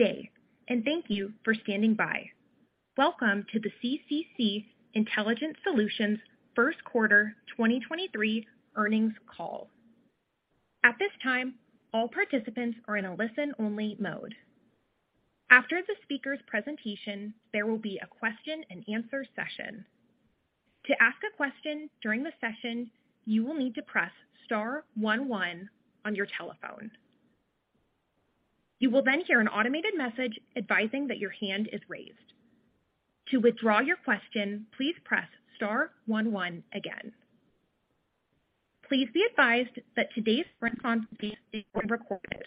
Good day. Thank you for standing by. Welcome to the CCC Intelligent Solutions First Quarter 2023 earnings call. At this time, all participants are in a listen-only mode. After the speaker's presentation, there will be a question-and-answer session. To ask a question during the session, you will need to press star one one on your telephone. You will hear an automated message advising that your hand is raised. To withdraw your question, please press star one one again. Please be advised that today's conference is being recorded.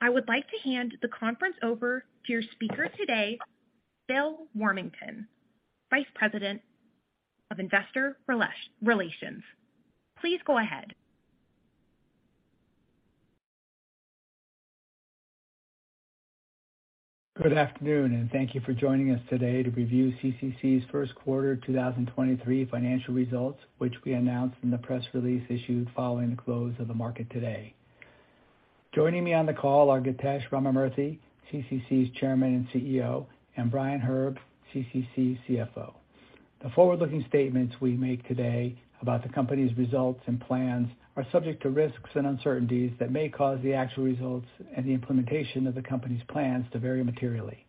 I would like to hand the conference over to your speaker today, Bill Warmington, Vice President of Investor Relations. Please go ahead. Good afternoon, and thank you for joining us today to review CCC's first quarter 2023 financial results, which we announced in the press release issued following the close of the market today. Joining me on the call are Githesh Ramamurthy, CCC's Chairman and CEO, and Brian Herb, CCC CFO. The forward-looking statements we make today about the company's results and plans are subject to risks and uncertainties that may cause the actual results and the implementation of the company's plans to vary materially.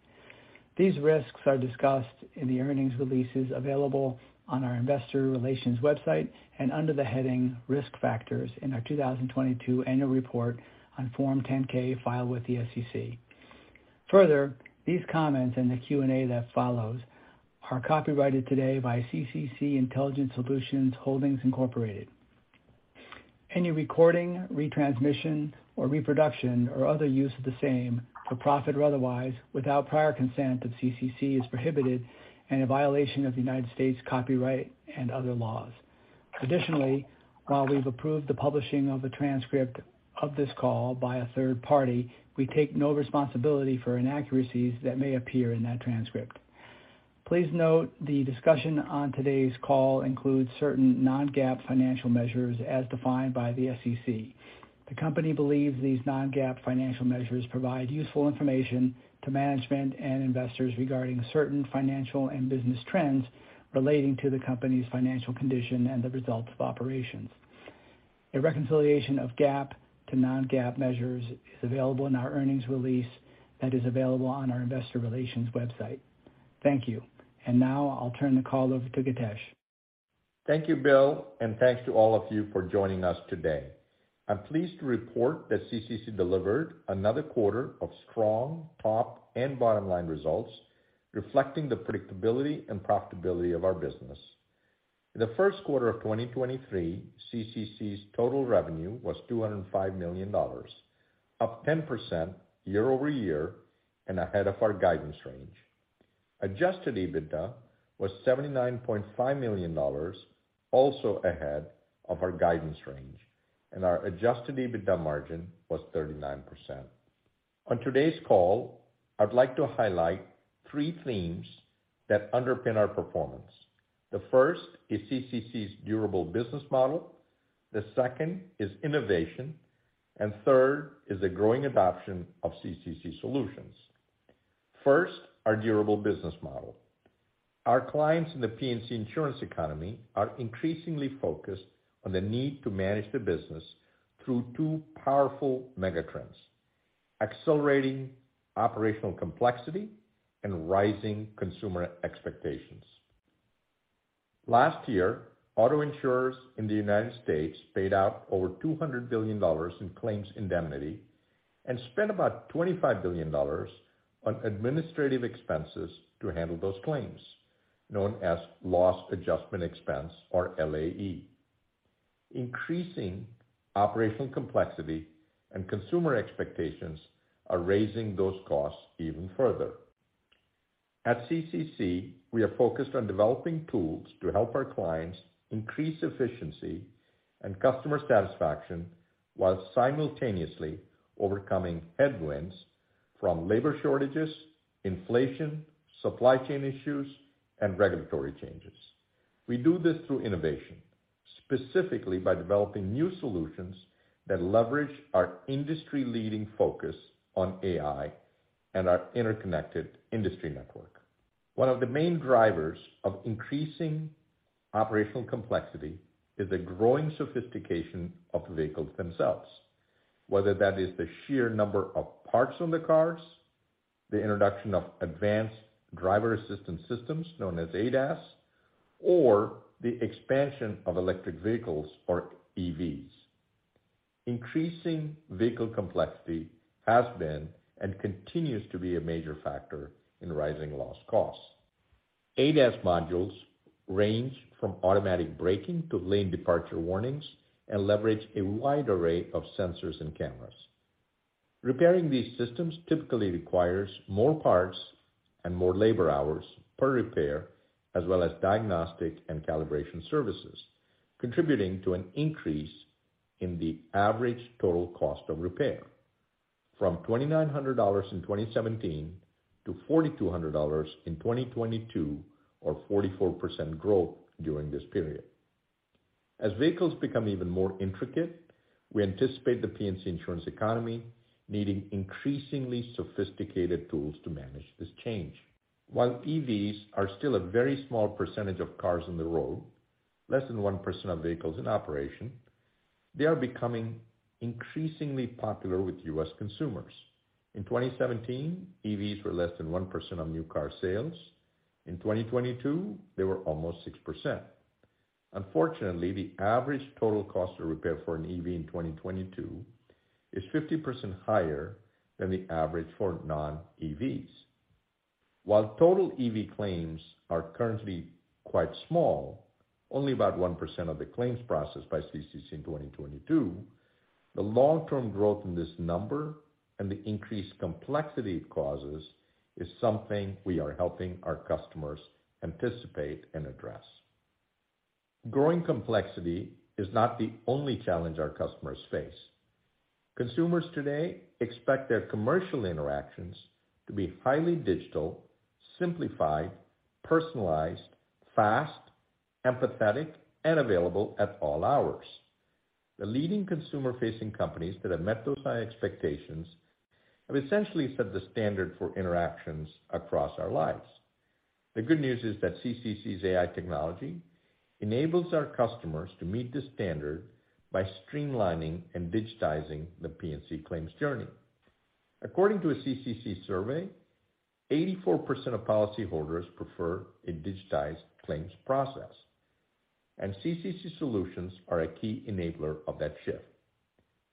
These risks are discussed in the earnings releases available on our investor relations website and under the heading Risk Factors in our 2022 annual report on Form 10-K filed with the SEC. Further, these comments and the Q&A that follows are copyrighted today by CCC Intelligent Solutions Holdings, Inc.. Any recording, retransmission, or reproduction or other use of the same, for profit or otherwise, without prior consent of CCC is prohibited and a violation of the United States copyright and other laws. Additionally, while we've approved the publishing of a transcript of this call by a third party, we take no responsibility for inaccuracies that may appear in that transcript. Please note the discussion on today's call includes certain Non-GAAP financial measures as defined by the SEC. The company believes these Non-GAAP financial measures provide useful information to management and investors regarding certain financial and business trends relating to the company's financial condition and the results of operations. A reconciliation of GAAP to Non-GAAP measures is available in our earnings release that is available on our investor relations website. Thank you. Now I'll turn the call over to Githesh. Thank you, Bill, thanks to all of you for joining us today. I'm pleased to report that CCC delivered another quarter of strong top and bottom-line results reflecting the predictability and profitability of our business. The first quarter of 2023, CCC's total revenue was $205 million, up 10% year-over-year and ahead of our guidance range. Adjusted EBITDA was $79.5 million, also ahead of our guidance range, and our adjusted EBITDA margin was 39%. On today's call, I'd like to highlight three themes that underpin our performance. The first is CCC's durable business model, the second is innovation, and third is the growing adoption of CCC solutions. First, our durable business model. Our clients in the P&C insurance economy are increasingly focused on the need to manage their business through two powerful megatrends: accelerating operational complexity and rising consumer expectations. Last year, auto insurers in the United States paid out over $200 billion in claims indemnity and spent about $25 billion on administrative expenses to handle those claims, known as lost adjustment expense, or LAE. Increasing operational complexity and consumer expectations are raising those costs even further. At CCC, we are focused on developing tools to help our clients increase efficiency and customer satisfaction while simultaneously overcoming headwinds from labor shortages, inflation, supply chain issues, and regulatory changes. We do this through innovation, specifically by developing new solutions that leverage our industry-leading focus on AI and our interconnected industry network. One of the main drivers of increasing operational complexity is the growing sophistication of the vehicles themselves, whether that is the sheer number of parts on the cars, the introduction of advanced driver assistance systems, known as ADAS, or the expansion of electric vehicles, or EVs. Increasing vehicle complexity has been and continues to be a major factor in rising lost costs. ADAS modules range from automatic braking to lane departure warnings and leverage a wide array of sensors and cameras. Repairing these systems typically requires more parts and more labor hours per repair, as well as diagnostic and calibration services, contributing to an increase in the average total cost of repair from $2,900 in 2017 to $4,200 in 2022 or 44% growth during this period. As vehicles become even more intricate, we anticipate the P&C insurance economy needing increasingly sophisticated tools to manage this change. While EVs are still a very small percentage of cars on the road, less than 1% of vehicles in operation, they are becoming increasingly popular with U.S. consumers. In 2017, EVs were less than 1% of new car sales. In 2022, they were almost 6%. Unfortunately, the average total cost of repair for an EV in 2022 is 50% higher than the average for non-EVs. While total EV claims are currently quite small, only about 1% of the claims processed by CCC in 2022, the long-term growth in this number and the increased complexity it causes is something we are helping our customers anticipate and address. Growing complexity is not the only challenge our customers face. Consumers today expect their commercial interactions to be highly digital, simplified, personalized, fast, empathetic, and available at all hours. The leading consumer-facing companies that have met those high expectations have essentially set the standard for interactions across our lives. The good news is that CCC's AI technology enables our customers to meet this standard by streamlining and digitizing the P&C claims journey. According to a CCC survey, 84% of policyholders prefer a digitized claims process. CCC solutions are a key enabler of that shift.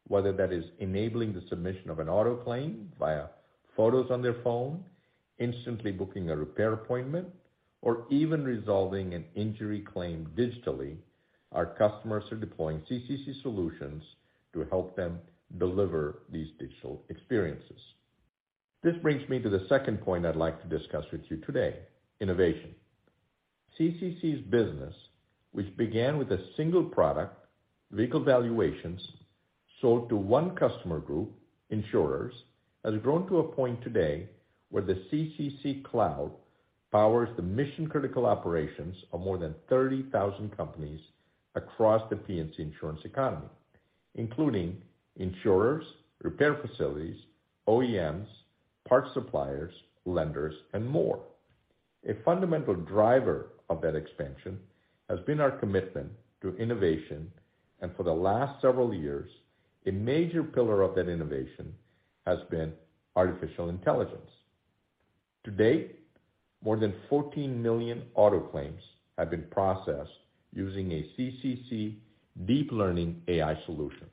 Whether that is enabling the submission of an auto claim via photos on their phone, instantly booking a repair appointment, or even resolving an injury claim digitally, our customers are deploying CCC solutions to help them deliver these digital experiences. This brings me to the second point I'd like to discuss with you today, innovation. CCC's business, which began with a single product, vehicle valuations, sold to one customer group, insurers, has grown to a point today where the CCC cloud powers the mission-critical operations of more than 30,000 companies across the P&C insurance economy, including insurers, repair facilities, OEMs, parts suppliers, lenders and more. A fundamental driver of that expansion has been our commitment to innovation. For the last several years, a major pillar of that innovation has been artificial intelligence. To date, more than 14 million auto claims have been processed using a CCC deep learning AI solution,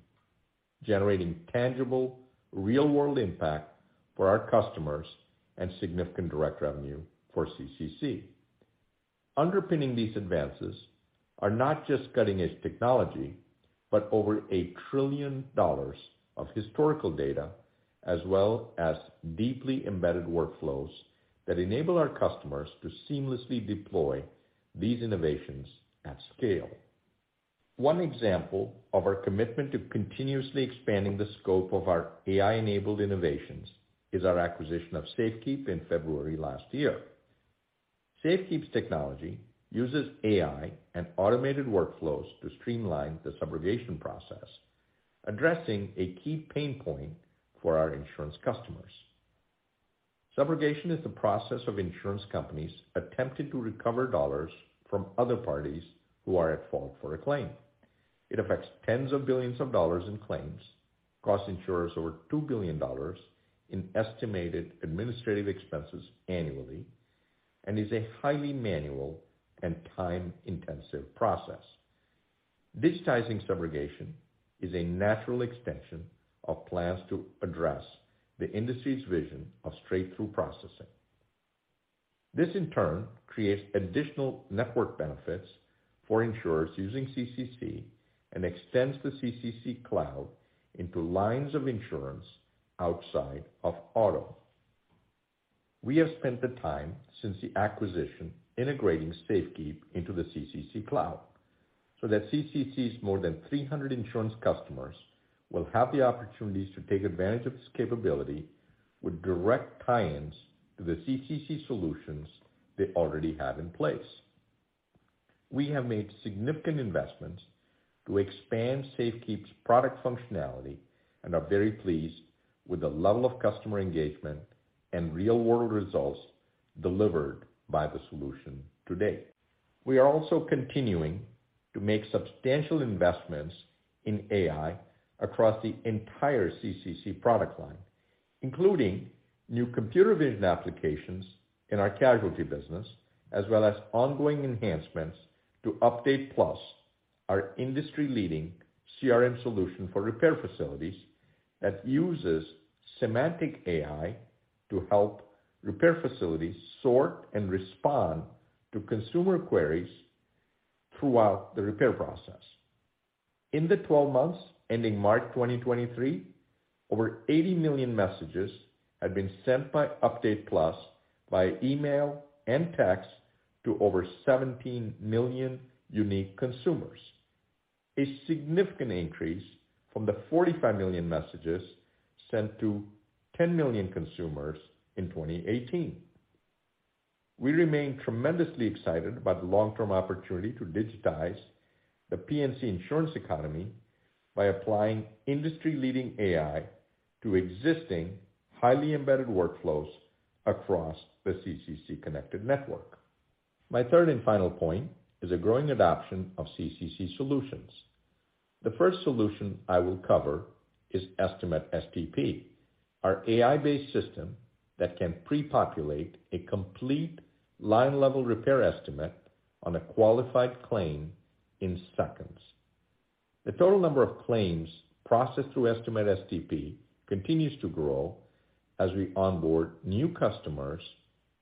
generating tangible real-world impact for our customers and significant direct revenue for CCC. Underpinning these advances are not just cutting-edge technology, but over $1 trillion of historical data, as well as deeply embedded workflows that enable our customers to seamlessly deploy these innovations at scale. One example of our commitment to continuously expanding the scope of our AI-enabled innovations is our acquisition of Safekeep in February last year. Safekeep's technology uses AI and automated workflows to streamline the subrogation process, addressing a key pain point for our insurance customers. Subrogation is the process of insurance companies attempting to recover dollars from other parties who are at fault for a claim. It affects tens of billions of dollars in claims, costs insurers over $2 billion in estimated administrative expenses annually, and is a highly manual and time-intensive process. Digitizing subrogation is a natural extension of plans to address the industry's vision of straight-through processing. This in turn creates additional network benefits for insurers using CCC and extends the CCC cloud into lines of insurance outside of auto. We have spent the time since the acquisition integrating Safekeep into the CCC cloud, so that CCC's more than 300 insurance customers will have the opportunities to take advantage of this capability with direct tie-ins to the CCC solutions they already have in place. We have made significant investments to expand Safekeep's product functionality and are very pleased with the level of customer engagement and real-world results delivered by the solution to date. We are also continuing to make substantial investments in AI across the entire CCC product line, including new computer vision applications in our casualty business, as well as ongoing enhancements to Update Plus, our industry-leading CRM solution for repair facilities that uses semantic AI to help repair facilities sort and respond to consumer queries throughout the repair process. In the 12 months ending March 2023, over 80 million messages had been sent by Update Plus via email and text to over 17 million unique consumers, a significant increase from the 45 million messages sent to 10 million consumers in 2018. We remain tremendously excited about the long-term opportunity to digitize the P&C insurance economy by applying industry-leading AI to existing highly embedded workflows across the CCC connected network. My third and final point is a growing adoption of CCC solutions. The first solution I will cover is Estimate STP, our AI-based system that can pre-populate a complete line level repair estimate on a qualified claim in seconds. The total number of claims processed through Estimate STP continues to grow as we onboard new customers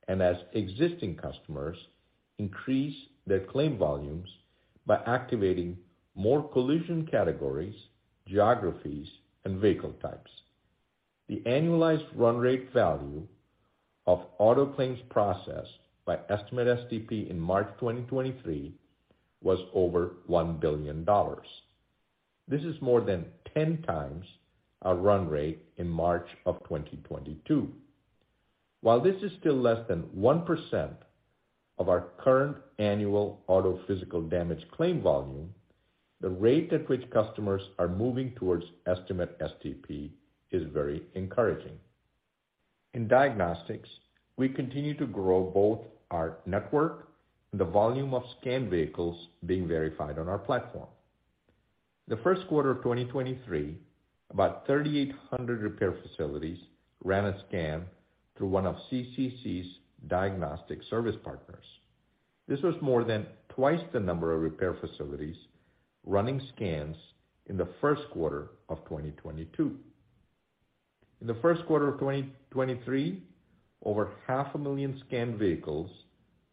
and as existing customers increase their claim volumes by activating more collision categories, geographies, and vehicle types. The annualized run rate value of auto claims processed by Estimate STP in March 2023 was over $1 billion. This is more than 10x our run rate in March of 2022. While this is still less than 1% of our current annual auto physical damage claim volume, the rate at which customers are moving towards Estimate STP is very encouraging. In diagnostics, we continue to grow both our network and the volume of scanned vehicles being verified on our platform. The first quarter of 2023, about 3,800 repair facilities ran a scan through one of CCC's diagnostic service partners. This was more than twice the number of repair facilities running scans in the first quarter of 2022. In the first quarter of 2023, over half a million scanned vehicles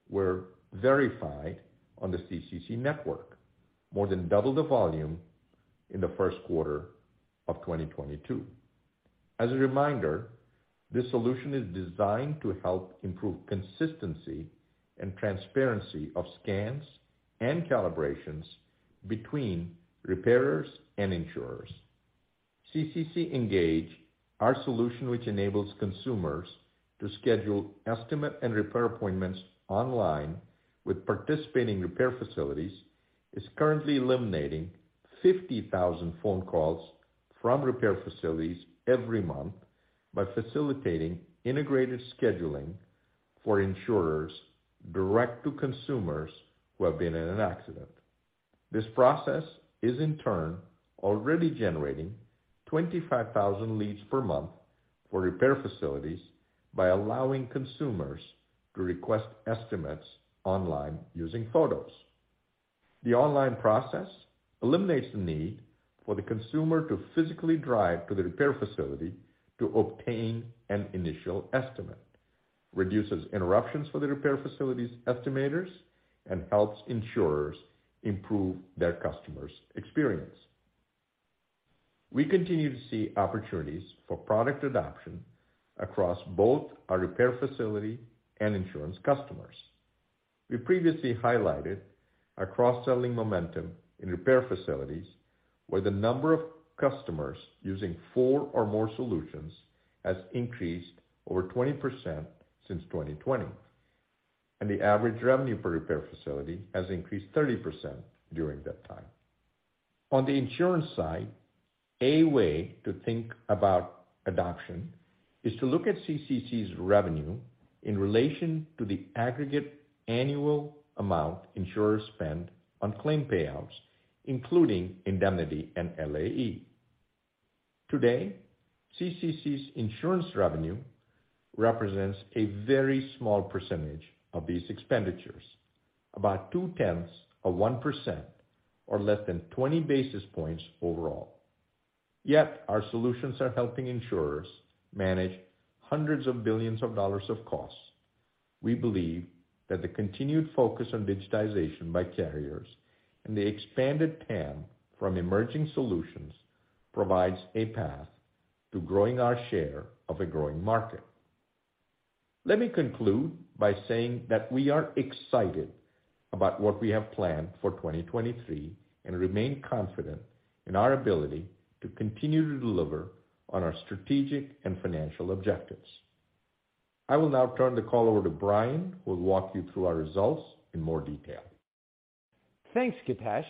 were verified on the CCC network, more than double the volume in the first quarter of 2022. As a reminder, this solution is designed to help improve consistency and transparency of scans and calibrations between repairers and insurers. CCC Engage, our solution which enables consumers to schedule estimate and repair appointments online with participating repair facilities, is currently eliminating 50,000 phone calls from repair facilities every month by facilitating integrated scheduling for insurers direct to consumers who have been in an accident. This process is in turn already generating 25,000 leads per month for repair facilities by allowing consumers to request estimates online using photos. The online process eliminates the need for the consumer to physically drive to the repair facility to obtain an initial estimate, reduces interruptions for the repair facility's estimators, and helps insurers improve their customer's experience. We continue to see opportunities for product adoption across both our repair facility and insurance customers. We previously highlighted our cross-selling momentum in repair facilities, where the number of customers using four or more solutions has increased over 20% since 2020, and the average revenue per repair facility has increased 30% during that time. On the insurance side, a way to think about adoption is to look at CCC's revenue in relation to the aggregate annual amount insurers spend on claim payouts, including indemnity and LAE. Today, CCC's insurance revenue represents a very small percentage of these expenditures, about two-tenths of 1% or less than 20 basis points overall. Yet our solutions are helping insurers manage hundreds of billions of dollars of costs. We believe that the continued focus on digitization by carriers and the expanded TAM from emerging solutions provides a path to growing our share of a growing market. Let me conclude by saying that we are excited about what we have planned for 2023 and remain confident in our ability to continue to deliver on our strategic and financial objectives. I will now turn the call over to Brian, who will walk you through our results in more detail. Thanks, Githesh.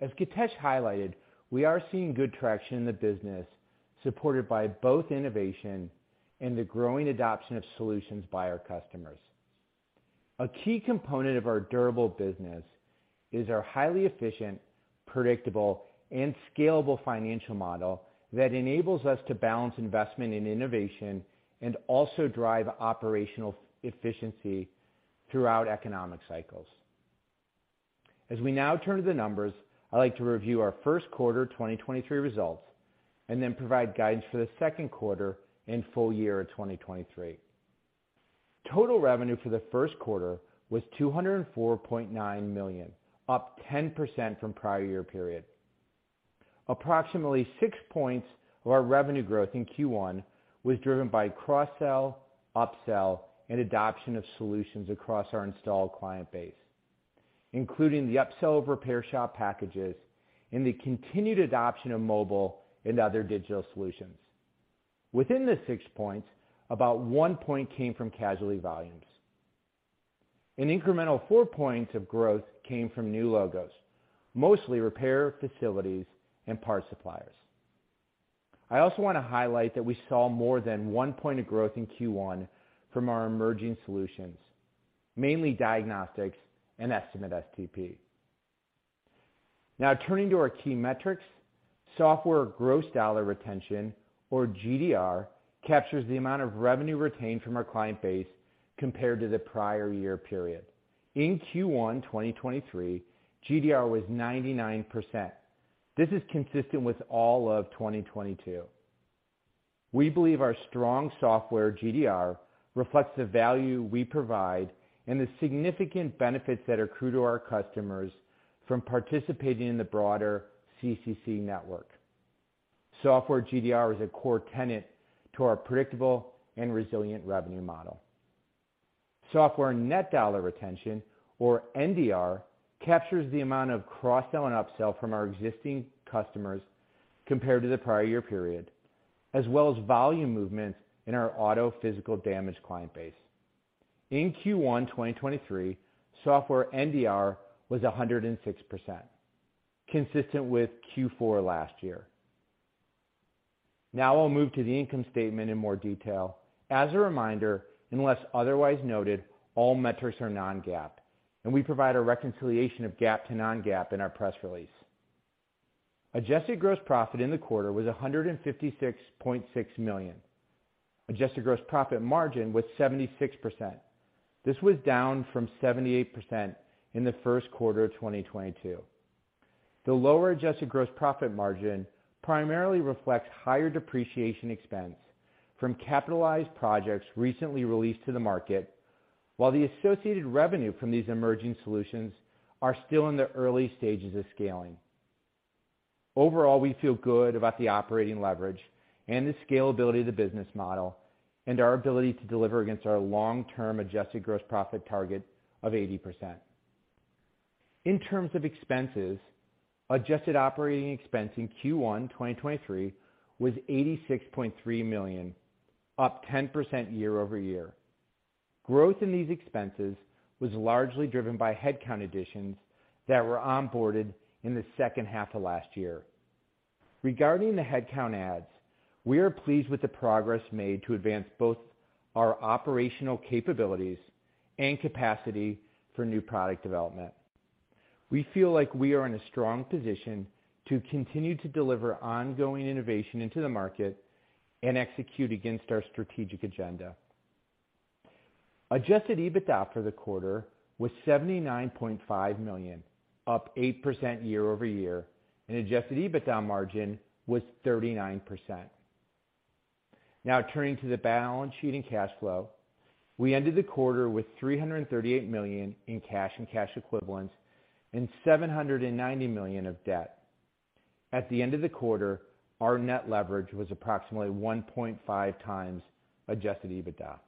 As Githesh highlighted, we are seeing good traction in the business, supported by both innovation and the growing adoption of solutions by our customers. A key component of our durable business is our highly efficient, predictable, and scalable financial model that enables us to balance investment in innovation and also drive operational efficiency throughout economic cycles. As we now turn to the numbers, I'd like to review our first quarter 2023 results and then provide guidance for the second quarter and full year of 2023. Total revenue for the first quarter was $204.9 million, up 10% from prior year period. Approximately six points of our revenue growth in Q1 was driven by cross-sell, upsell, and adoption of solutions across our installed client base. Including the upsell of repair shop packages and the continued adoption of mobile and other digital solutions. Within the six points, about one point came from casualty volumes. Incremental four points of growth came from new logos, mostly repair facilities and parts suppliers. I also wanna highlight that we saw more than one point of growth in Q1 from our emerging solutions, mainly diagnostics and Estimate STP. Turning to our key metrics. Software gross dollar retention, or GDR, captures the amount of revenue retained from our client base compared to the prior year period. In Q1 2023, GDR was 99%. This is consistent with all of 2022. We believe our strong software GDR reflects the value we provide and the significant benefits that accrue to our customers from participating in the broader CCC network. Software GDR is a core tenet to our predictable and resilient revenue model. Software net dollar retention, or NDR, captures the amount of cross-sell and upsell from our existing customers compared to the prior year period, as well as volume movements in our auto physical damage client base. In Q1 2023, software NDR was 106%, consistent with Q4 last year. Now I'll move to the income statement in more detail. As a reminder, unless otherwise noted, all metrics are Non-GAAP, and we provide a reconciliation of GAAP to Non-GAAP in our press release. Adjusted gross profit in the quarter was $156.6 million. Adjusted gross profit margin was 76%. This was down from 78% in Q1 2022. The lower adjusted gross profit margin primarily reflects higher depreciation expense from capitalized projects recently released to the market, while the associated revenue from these emerging solutions are still in the early stages of scaling. Overall, we feel good about the operating leverage and the scalability of the business model, and our ability to deliver against our long-term adjusted gross profit target of 80%. In terms of expenses, adjusted operating expense in Q1 2023 was $86.3 million, up 10% year-over-year. Growth in these expenses was largely driven by headcount additions that were onboarded in the second half of last year. Regarding the headcount adds, we are pleased with the progress made to advance both our operational capabilities and capacity for new product development. We feel like we are in a strong position to continue to deliver ongoing innovation into the market and execute against our strategic agenda. Adjusted EBITDA for the quarter was $79.5 million, up 8% year-over-year, and adjusted EBITDA margin was 39%. Turning to the balance sheet and cash flow. We ended the quarter with $338 million in cash and cash equivalents and $790 million of debt. At the end of the quarter, our net leverage was approximately 1.5x adjusted EBITDA.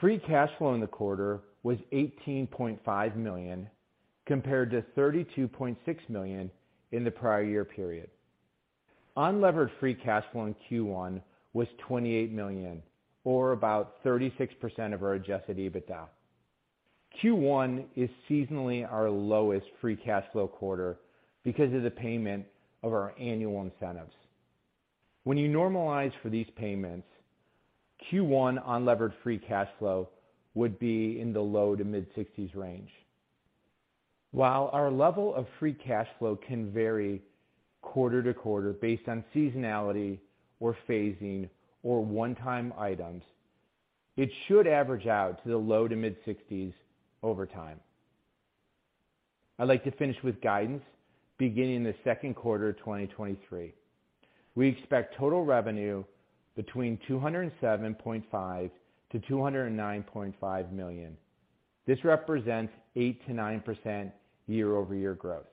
Free cash flow in the quarter was $18.5 million, compared to $32.6 million in the prior year period. Unlevered free cash flow in Q1 was $28 million or about 36% of our adjusted EBITDA. Q1 is seasonally our lowest free cash flow quarter because of the payment of our annual incentives. When you normalize for these payments, Q1 unlevered free cash flow would be in the low to mid-$60s range. While our level of free cash flow can vary quarter to quarter based on seasonality or phasing or one-time items, it should average out to the low to mid-$60s over time. I'd like to finish with guidance beginning the second quarter 2023. We expect total revenue between $207.5 million-$209.5 million. This represents 8%-9% year-over-year growth.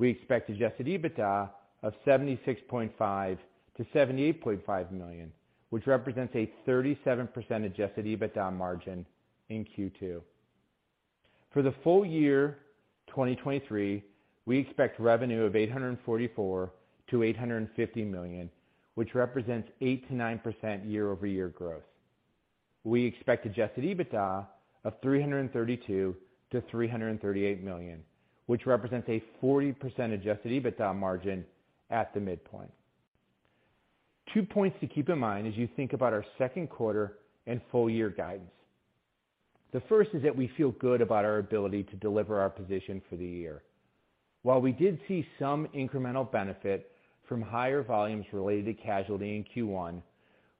We expect adjusted EBITDA of $76.5 million-$78.5 million, which represents a 37% adjusted EBITDA margin in Q2. For the full year 2023, we expect revenue of $844 million-$850 million, which represents 8%-9% year-over-year growth. We expect adjusted EBITDA of $332 million-$338 million, which represents a 40% adjusted EBITDA margin at the midpoint. Two points to keep in mind as you think about our second quarter and full year guidance. The first is that we feel good about our ability to deliver our position for the year. While we did see some incremental benefit from higher volumes related to casualty in Q1,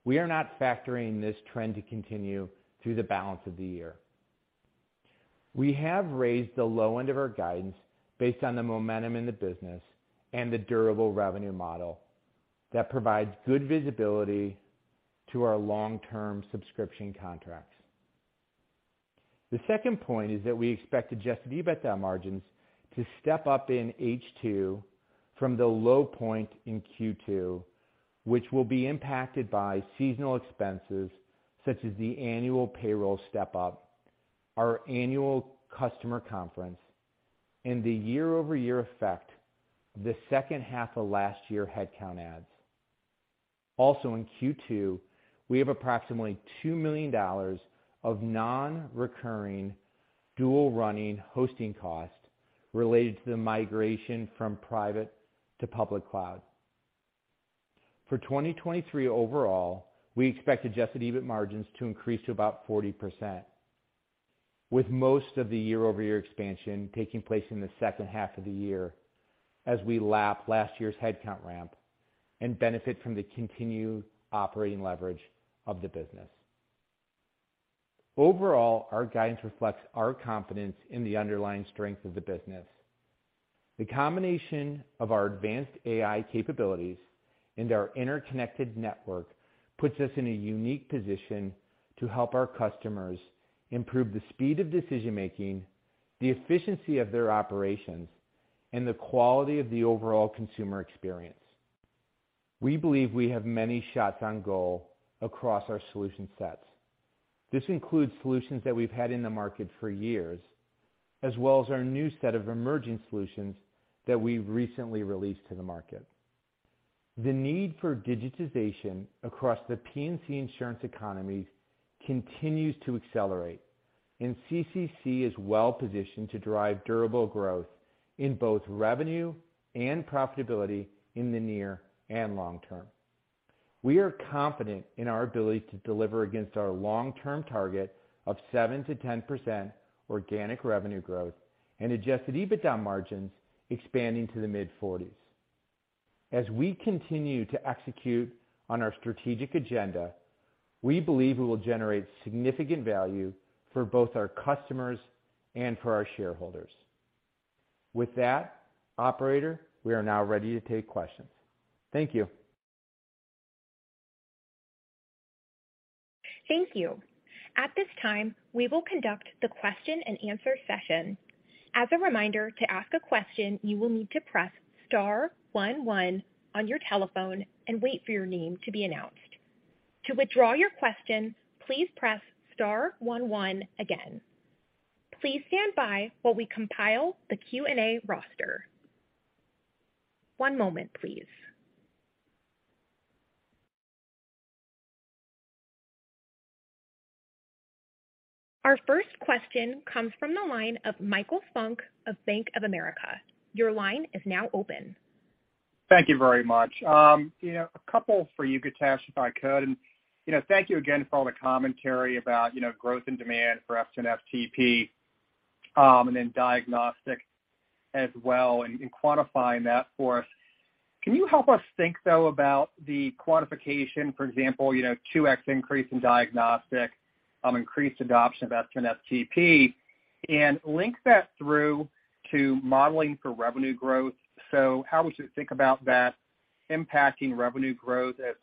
we are not factoring this trend to continue through the balance of the year. We have raised the low end of our guidance based on the momentum in the business and the durable revenue model that provides good visibility to our long-term subscription contracts. The second point is that we expect adjusted EBITDA margins to step up in H2 from the low point in Q2. Which will be impacted by seasonal expenses such as the annual payroll step up, our annual customer conference, and the year-over-year effect the second half of last year headcount adds. Also in Q2, we have approximately $2 million of non-recurring dual running hosting costs related to the migration from private to public cloud. For 2023 overall, we expect adjusted EBIT margins to increase to about 40%, with most of the year-over-year expansion taking place in the second half of the year as we lap last year's headcount ramp and benefit from the continued operating leverage of the business. Overall, our guidance reflects our confidence in the underlying strength of the business. The combination of our advanced AI capabilities and our interconnected network puts us in a unique position to help our customers improve the speed of decision-making, the efficiency of their operations, and the quality of the overall consumer experience. We believe we have many shots on goal across our solution sets. This includes solutions that we've had in the market for years, as well as our new set of emerging solutions that we've recently released to the market. The need for digitization across the P&C insurance economy continues to accelerate, and CCC is well-positioned to drive durable growth in both revenue and profitability in the near and long term. We are confident in our ability to deliver against our long-term target of 7%-10% organic revenue growth and adjusted EBITDA margins expanding to the mid-40s. As we continue to execute on our strategic agenda, we believe we will generate significant value for both our customers and for our shareholders. With that, operator, we are now ready to take questions. Thank you. Thank you. At this time, we will conduct the question-and-answer session. As a reminder, to ask a question, you will need to press star 11 on your telephone and wait for your name to be announced. To withdraw your question, please press star 11 again. Please stand by while we compile the Q&A roster. One moment, please. Our first question comes from the line of Michael Funk of Bank of America. Your line is now open. Thank you very much. you know, a couple for you, Githesh, if I could. you know, thank you again for all the commentary about, you know, growth and demand for F2N FTP, and then diagnostic as well, and quantifying that for us. Can you help us think, though, about the quantification, for example, you know, 2x increase in diagnostic, increased adoption of F2N FTP, and link that through to modeling for revenue growth? How we should think about that impacting revenue growth as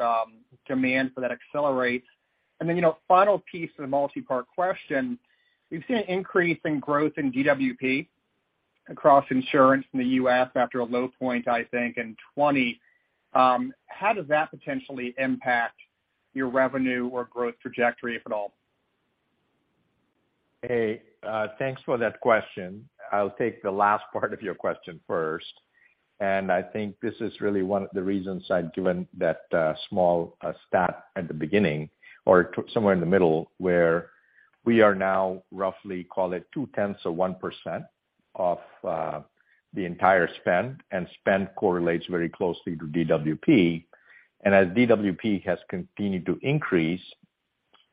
demand for that accelerates. you know, final piece of the multi-part question, we've seen an increase in growth in DWP across insurance in the U.S. after a low point, I think, in 2020. How does that potentially impact your revenue or growth trajectory, if at all? Hey, thanks for that question. I'll take the last part of your question first. I think this is really one of the reasons I've given that small stat at the beginning or to somewhere in the middle where we are now roughly, call it 0.2% of the entire spend, and spend correlates very closely to DWP. As DWP has continued to increase,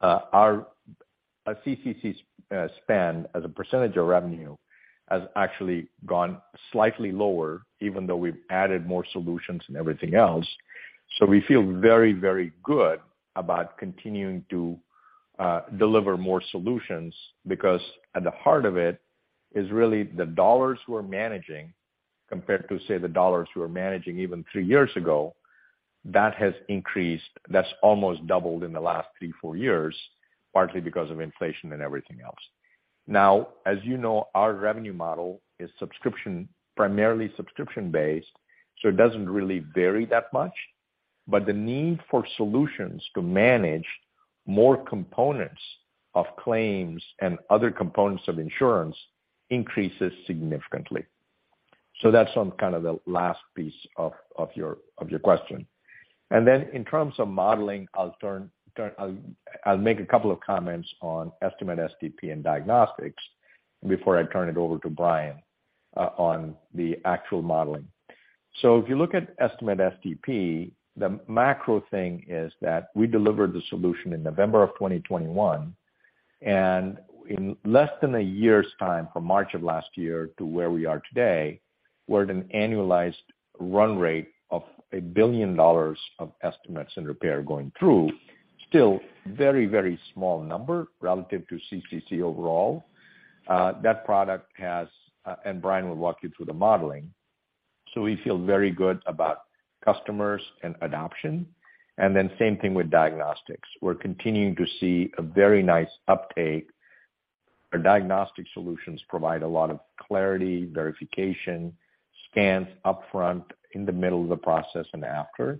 CCC's spend as a percentage of revenue has actually gone slightly lower even though we've added more solutions and everything else. We feel very, very good about continuing to deliver more solutions because at the heart of it is really the dollars we're managing compared to, say, the dollars we were managing even three years ago. That has increased. That's almost doubled in the last 3 years, 4 years, partly because of inflation and everything else. As you know, our revenue model is primarily subscription-based, so it doesn't really vary that much. The need for solutions to manage more components of claims and other components of insurance increases significantly. That's on kind of the last piece of your question. In terms of modeling, I'll make a couple of comments on Estimate STP and diagnostics before I turn it over to Brian Herb on the actual modeling. If you look at Estimate STP, the macro thing is that we delivered the solution in November of 2021, and in less than one year's time from March of last year to where we are today, we're at an annualized run rate of $1 billion of estimates in repair going through. Still very, very small number relative to CCC overall. That product has, Brian will walk you through the modeling. We feel very good about customers and adoption. Same thing with diagnostics. We're continuing to see a very nice uptake. Our diagnostic solutions provide a lot of clarity, verification, scans upfront in the middle of the process and after.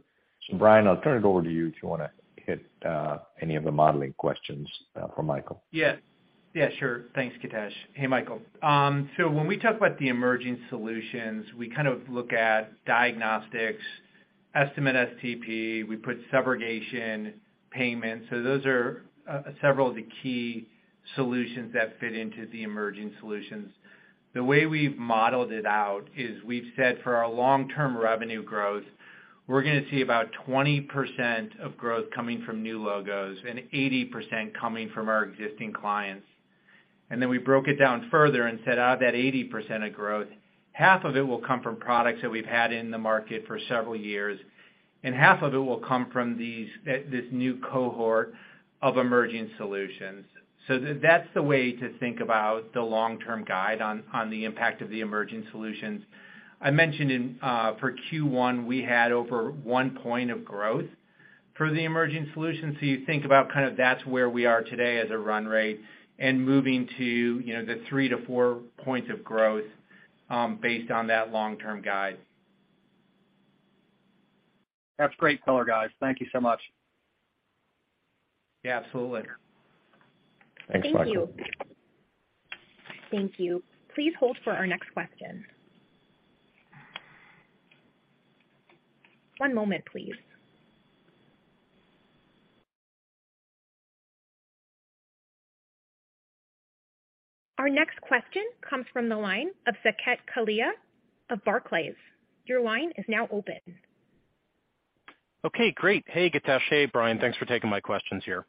Brian, I'll turn it over to you if you wanna hit any of the modeling questions from Michael. Yeah. Yeah, sure. Thanks, Githesh. Hey, Michael. When we talk about the emerging solutions, we kind of look at diagnostics, Estimate STP, we put subrogation payments. Those are several of the key solutions that fit into the emerging solutions. The way we've modeled it out is we've said for our long-term revenue growth, we're gonna see about 20% of growth coming from new logos and 80% coming from our existing clients. Then we broke it down further and said, out of that 80% of growth, half of it will come from products that we've had in the market for several years, and half of it will come from this new cohort of emerging solutions. That's the way to think about the long-term guide on the impact of the emerging solutions. I mentioned in, for Q1, we had over one point of growth for the emerging solutions. You think about kind of that's where we are today as a run rate and moving to, you know, the 3 points to 4 points of growth, based on that long-term guide. That's great color, guys. Thank you so much. Yeah, absolutely. Thanks, Michael. Thank you. Thank you. Please hold for our next question. One moment, please. Our next question comes from the line of Saket Kalia of Barclays. Your line is now open. Okay, great. Hey, Githesh. Hey, Brian. Thanks for taking my questions here.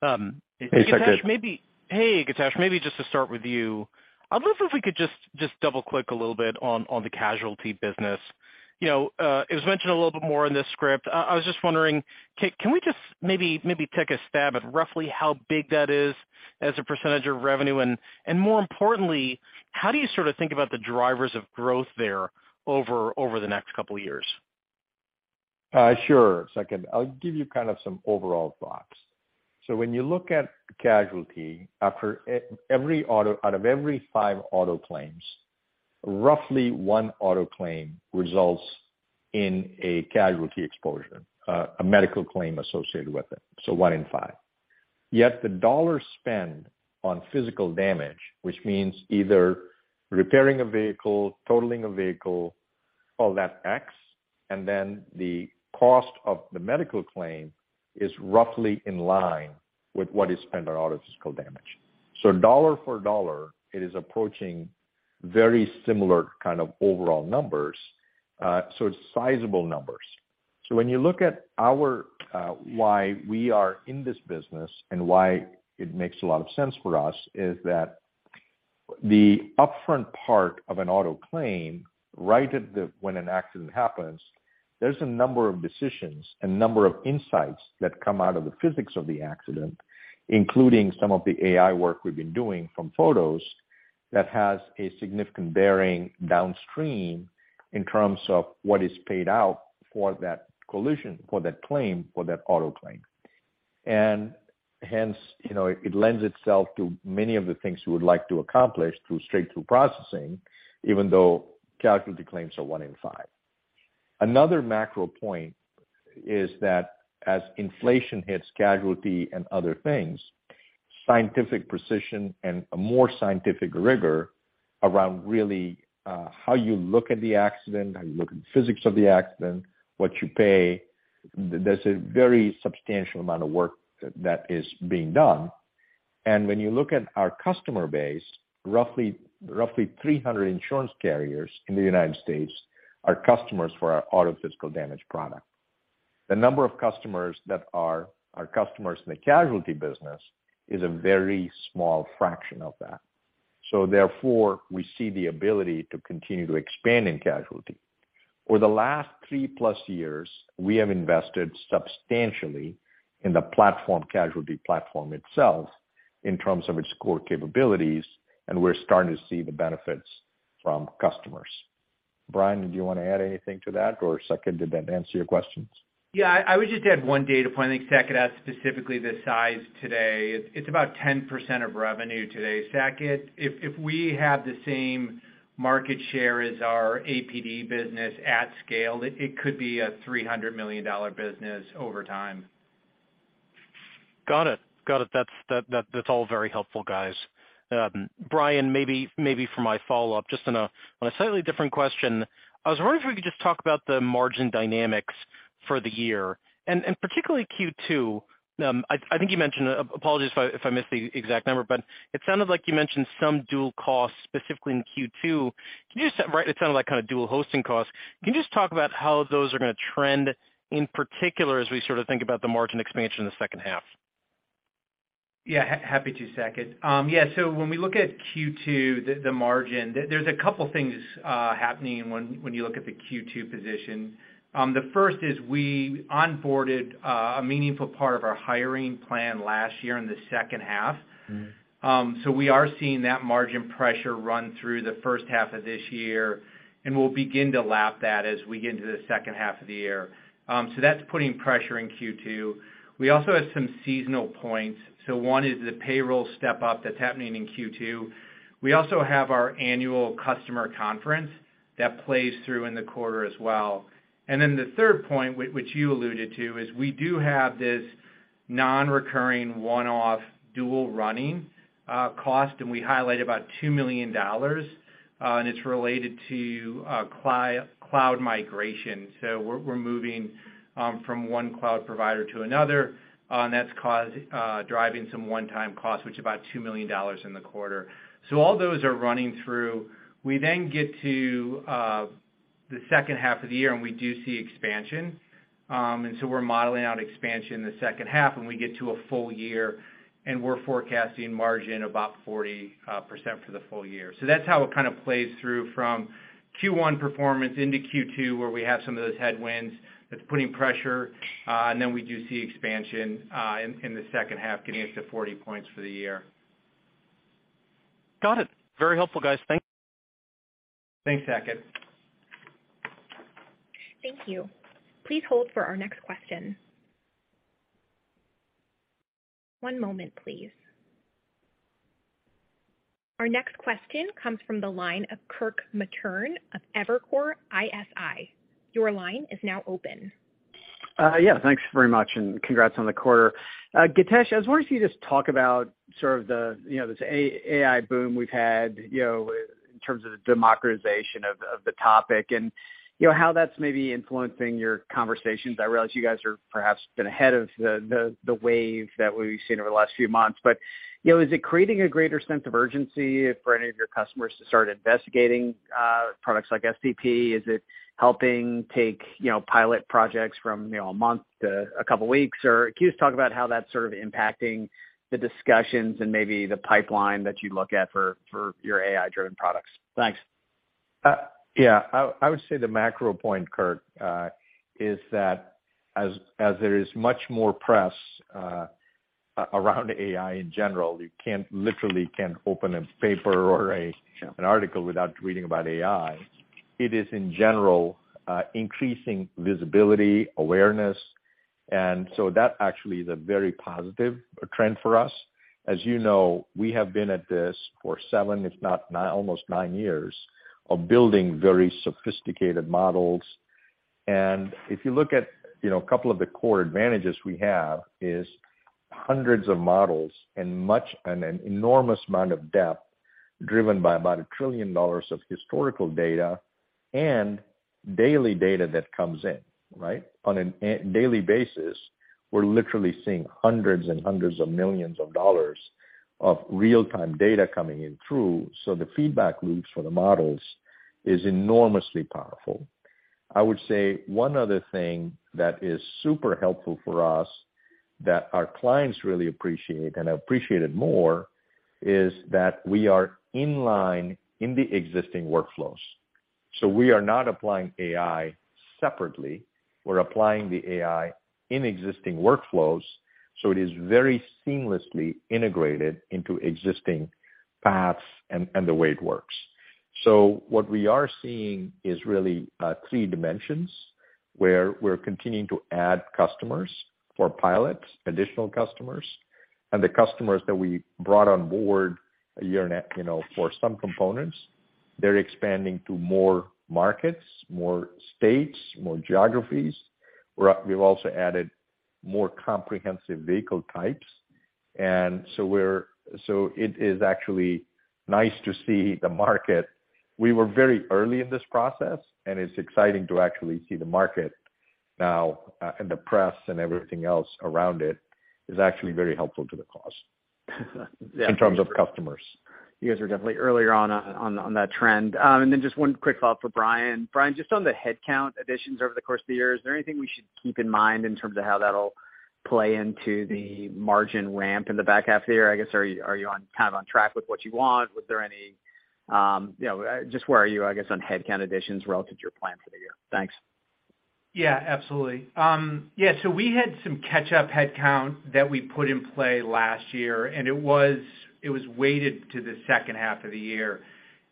Hey, Saket. Githesh, hey, Githesh. Maybe just to start with you, I wonder if we could just double-click a little bit on the casualty business. You know, it was mentioned a little bit more in this script. I was just wondering, can we just maybe take a stab at roughly how big that is as a percentage of revenue? More importantly, how do you sort of think about the drivers of growth there over the next couple of years? Sure, Saket. I'll give you kind of some overall thoughts. When you look at casualty, after every five auto claims, roughly one auto claim results in a casualty exposure, a medical claim associated with it. One in five. Yet the dollar spend on physical damage, which means either repairing a vehicle, totaling a vehicle, all that X, and then the cost of the medical claim is roughly in line with what is spent on auto physical damage. Dollar for dollar, it is approaching very similar kind of overall numbers. It's sizable numbers. When you look at our why we are in this business and why it makes a lot of sense for us, is that the upfront part of an auto claim, when an accident happens, there's a number of decisions, a number of insights that come out of the physics of the accident, including some of the AI work we've been doing from photos that has a significant bearing downstream in terms of what is paid out for that collision, for that claim, for that auto claim. Hence, you know, it lends itself to many of the things we would like to accomplish through straight-through processing, even though casualty claims are one in five. Another macro point is that as inflation hits casualty and other things, scientific precision and a more scientific rigor around really, how you look at the accident, how you look at the physics of the accident, what you pay, there's a very substantial amount of work that is being done. When you look at our customer base, roughly 300 insurance carriers in the United States are customers for our auto physical damage product. The number of customers that are our customers in the casualty business is a very small fraction of that. Therefore, we see the ability to continue to expand in casualty. For the last 3+ years, we have invested substantially in the platform, casualty platform itself in terms of its core capabilities, and we're starting to see the benefits from customers. Brian, did you wanna add anything to that, or Saket, did that answer your questions? Yeah. I would just add one data point. I think Saket asked specifically the size today. It's about 10% of revenue today. Saket, if we have the same market share as our APD business at scale, it could be a $300 million business over time. Got it. That's all very helpful, guys. Brian, maybe for my follow-up, just on a slightly different question. I was wondering if we could just talk about the margin dynamics for the year and particularly Q2. I think you mentioned, apologies if I missed the exact number, but it sounded like you mentioned some dual costs, specifically in Q2. It sounded like kind of dual hosting costs. Can you just talk about how those are gonna trend, in particular, as we sorta think about the margin expansion in the second half? Yeah, happy to, Saket. Yeah, when we look at Q2, the margin, there's a couple things happening when you look at the Q2 position. The first is we onboarded a meaningful part of our hiring plan last year in the second half. We are seeing that margin pressure run through the first half of this year, and we'll begin to lap that as we get into the second half of the year. That's putting pressure in Q2. We also have some seasonal points. One is the payroll step up that's happening in Q2. We also have our annual customer conference that plays through in the quarter as well. The third point, which you alluded to, is we do have this non-recurring one-off dual running cost, and we highlight about $2 million, and it's related to cloud migration. We're moving from one cloud provider to another, and that's caused driving some one-time costs, which are about $2 million in the quarter. All those are running through. We get to the second half of the year, and we do see expansion. We're modeling out expansion in the second half, and we get to a full year, and we're forecasting margin about 40% for the full year. That's how it kind of plays through from Q1 performance into Q2, where we have some of those headwinds that's putting pressure, and then we do see expansion, in the second half, getting us to 40 points for the year. Got it. Very helpful, guys. Thank you. Thanks, Saket. Thank you. Please hold for our next question. One moment, please. Our next question comes from the line of Kirk Materne of Evercore ISI. Your line is now open. Yeah, thanks very much. Congrats on the quarter. Githesh, I was wondering if you could just talk about sort of the, you know, this AI boom we've had, you know, in terms of the democratization of the topic and, you know, how that's maybe influencing your conversations. I realize you guys are perhaps been ahead of the wave that we've seen over the last few months. Is it creating a greater sense of urgency for any of your customers to start investigating products like STP? Is it helping take, you know, pilot projects from, you know, a month to a couple weeks? Can you just talk about how that's sort of impacting the discussions and maybe the pipeline that you look at for your AI-driven products? Thanks. Yeah. I would say the macro point, Kirk, is that as there is much more press, around AI in general, you can't literally can't open a paper or. Sure. an article without reading about AI. It is in general increasing visibility, awareness. That actually is a very positive trend for us. As you know, we have been at this for seven, if not almost nine years of building very sophisticated models. If you look at, you know, a couple of the core advantages we have is hundreds of models and an enormous amount of depth driven by about $1 trillion of historical data and daily data that comes in, right? On a daily basis, we're literally seeing hundreds of millions of dollars of real-time data coming in through. The feedback loops for the models is enormously powerful. I would say one other thing that is super helpful for us that our clients really appreciate, and appreciate it more, is that we are in line in the existing workflows. We are not applying AI separately. We're applying the AI in existing workflows, so it is very seamlessly integrated into existing paths and the way it works. What we are seeing is really three dimensions where we're continuing to add customers for pilots, additional customers, and the customers that we brought on board a year and you know, for some components, they're expanding to more markets, more states, more geographies. We've also added more comprehensive vehicle types. It is actually nice to see the market. We were very early in this process, and it's exciting to actually see the market now, and the press and everything else around it is actually very helpful to the cause. Yeah.... in terms of customers. You guys were definitely earlier on that trend. Just one quick thought for Brian. Brian, just on the headcount additions over the course of the year, is there anything we should keep in mind in terms of how that'll play into the margin ramp in the back half of the year? I guess are you on, kind of on track with what you want? Was there any, you know, just where are you, I guess, on headcount additions relative to your plan for the year? Thanks. Yeah, absolutely. We had some catch-up headcount that we put in play last year, and it was weighted to the second half of the year.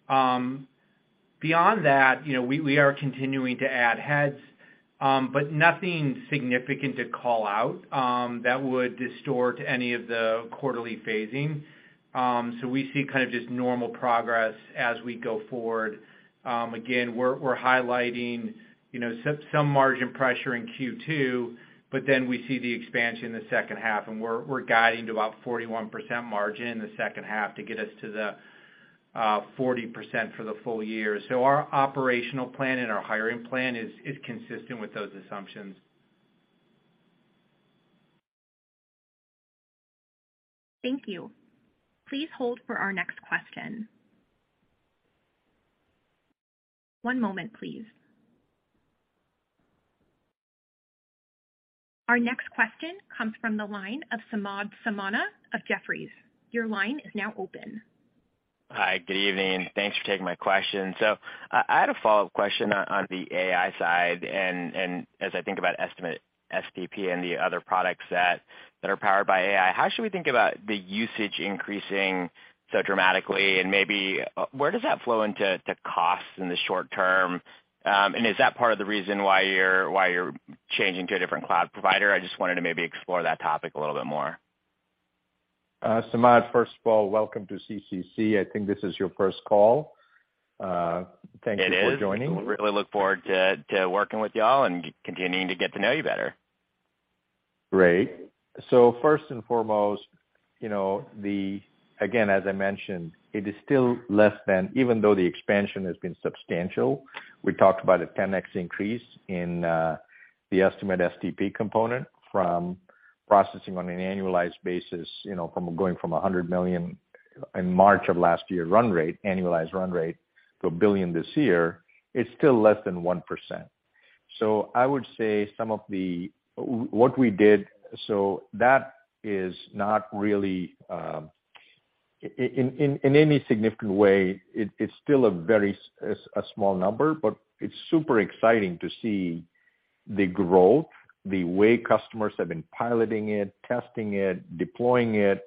Beyond that, you know, we are continuing to add heads, but nothing significant to call out that would distort any of the quarterly phasing. We see kind of just normal progress as we go forward. Again, we're highlighting, you know, some margin pressure in Q2, but then we see the expansion in the second half. We're guiding to about 41% margin in the second half to get us to the 40% for the full year. Our operational plan and our hiring plan is consistent with those assumptions. Thank you. Please hold for our next question. One moment, please. Our next question comes from the line of Samad Samana of Jefferies. Your line is now open. Hi, good evening. Thanks for taking my question. I had a follow-up question on the AI side and as I think about Estimate STP and the other products that are powered by AI, how should we think about the usage increasing so dramatically? Maybe where does that flow into costs in the short term? Is that part of the reason why you're changing to a different cloud provider? I just wanted to maybe explore that topic a little bit more. Samad, first of all, welcome to CCC. I think this is your first call. It is. Thank you for joining. Really look forward to working with y'all and continuing to get to know you better. Great. First and foremost, you know, again, as I mentioned, it is still less than even though the expansion has been substantial, we talked about a 10x increase in the Estimate STP component from processing on an annualized basis, you know, from going from $100 million in March of last year run rate, annualized run rate to $1 billion this year, it's still less than 1%. I would say some of what we did so that is not really in any significant way, it's still a very small number, but it's super exciting to see the growth, the way customers have been piloting it, testing it, deploying it.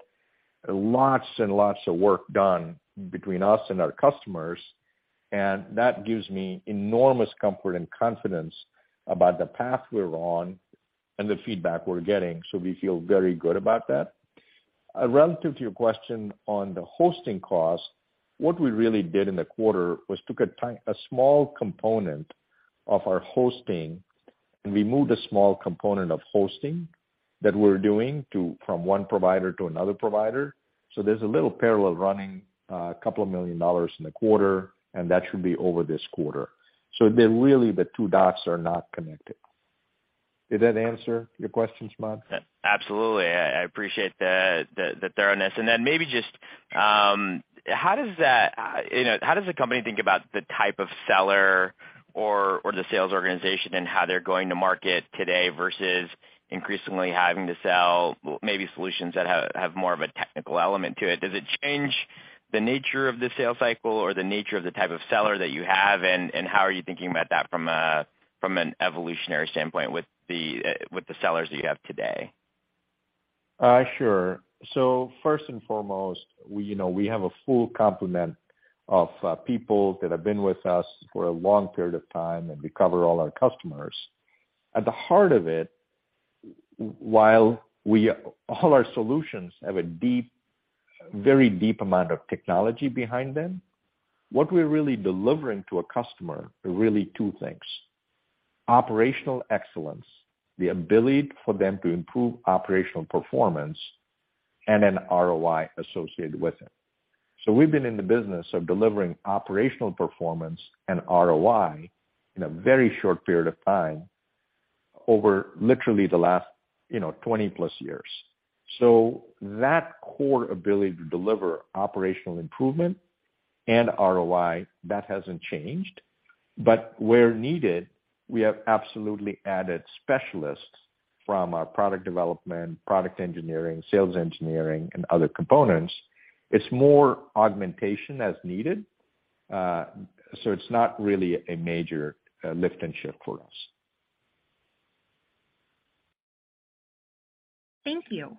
Lots and lots of work done between us and our customers, that gives me enormous comfort and confidence about the path we're on and the feedback we're getting. We feel very good about that. Relative to your question on the hosting cost, what we really did in the quarter was took a small component of our hosting, and we moved a small component of hosting that we're doing from one provider to another provider. There's a little parallel running, $2 million in the quarter, and that should be over this quarter. The really, the two dots are not connected. Did that answer your question, Samad? Absolutely. I appreciate the thoroughness. Then maybe just, you know, how does the company think about the type of seller or the sales organization and how they're going to market today versus increasingly having to sell maybe solutions that have more of a technical element to it? Does it change the nature of the sales cycle or the nature of the type of seller that you have? How are you thinking about that from an evolutionary standpoint with the sellers that you have today? Sure. First and foremost, we have a full complement of people that have been with us for a long period of time, and we cover all our customers. At the heart of it, while all our solutions have a deep, very deep amount of technology behind them, what we're really delivering to a customer are really two things, operational excellence, the ability for them to improve operational performance and an ROI associated with it. We've been in the business of delivering operational performance and ROI in a very short period of time over literally the last, you know, 20+ years. That core ability to deliver operational improvement and ROI, that hasn't changed. Where needed, we have absolutely added specialists from our product development, product engineering, sales engineering, and other components. It's more augmentation as needed, so it's not really a major lift and shift for us. Thank you.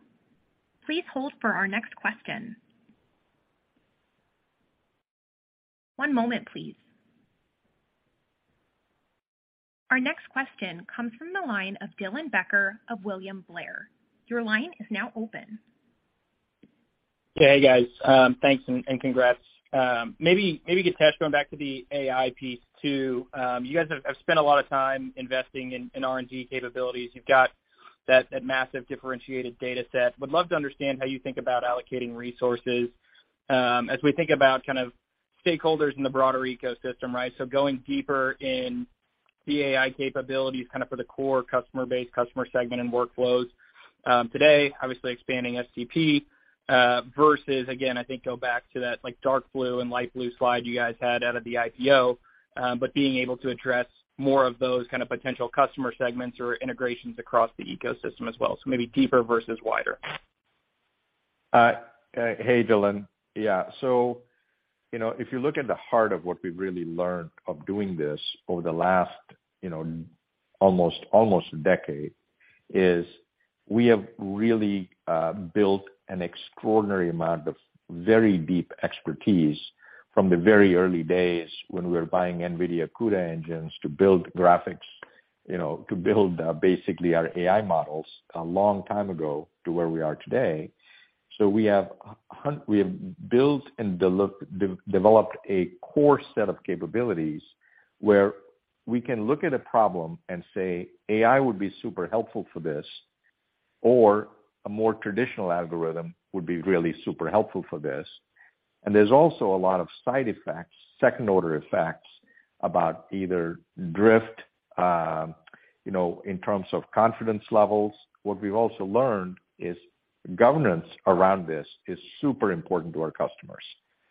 Please hold for our next question. One moment, please. Our next question comes from the line of Dylan Becker of William Blair. Your line is now open. Okay. Guys, thanks and congrats. Maybe Githesh going back to the AI piece too. You guys have spent a lot of time investing in R&D capabilities. You've got that massive differentiated data set. Would love to understand how you think about allocating resources as we think about kind of stakeholders in the broader ecosystem, right? Going deeper in the AI capabilities kind of for the core customer base, customer segment, and workflows, today obviously expanding STP versus again, I think go back to that like dark blue and light blue slide you guys had out of the IPO, but being able to address more of those kind of potential customer segments or integrations across the ecosystem as well. Maybe deeper versus wider. Hey, Dylan. Yeah. You know, if you look at the heart of what we've really learned of doing this over the last, you know, almost a decade, we have really built an extraordinary amount of very deep expertise from the very early days when we were buying NVIDIA CUDA engines to build graphics, you know, to build basically our AI models a long time ago to where we are today. We have built and developed a core set of capabilities where we can look at a problem and say, "AI would be super helpful for this, or a more traditional algorithm would be really super helpful for this." There's also a lot of side effects, second order effects about either drift, You know, in terms of confidence levels, what we've also learned is governance around this is super important to our customers.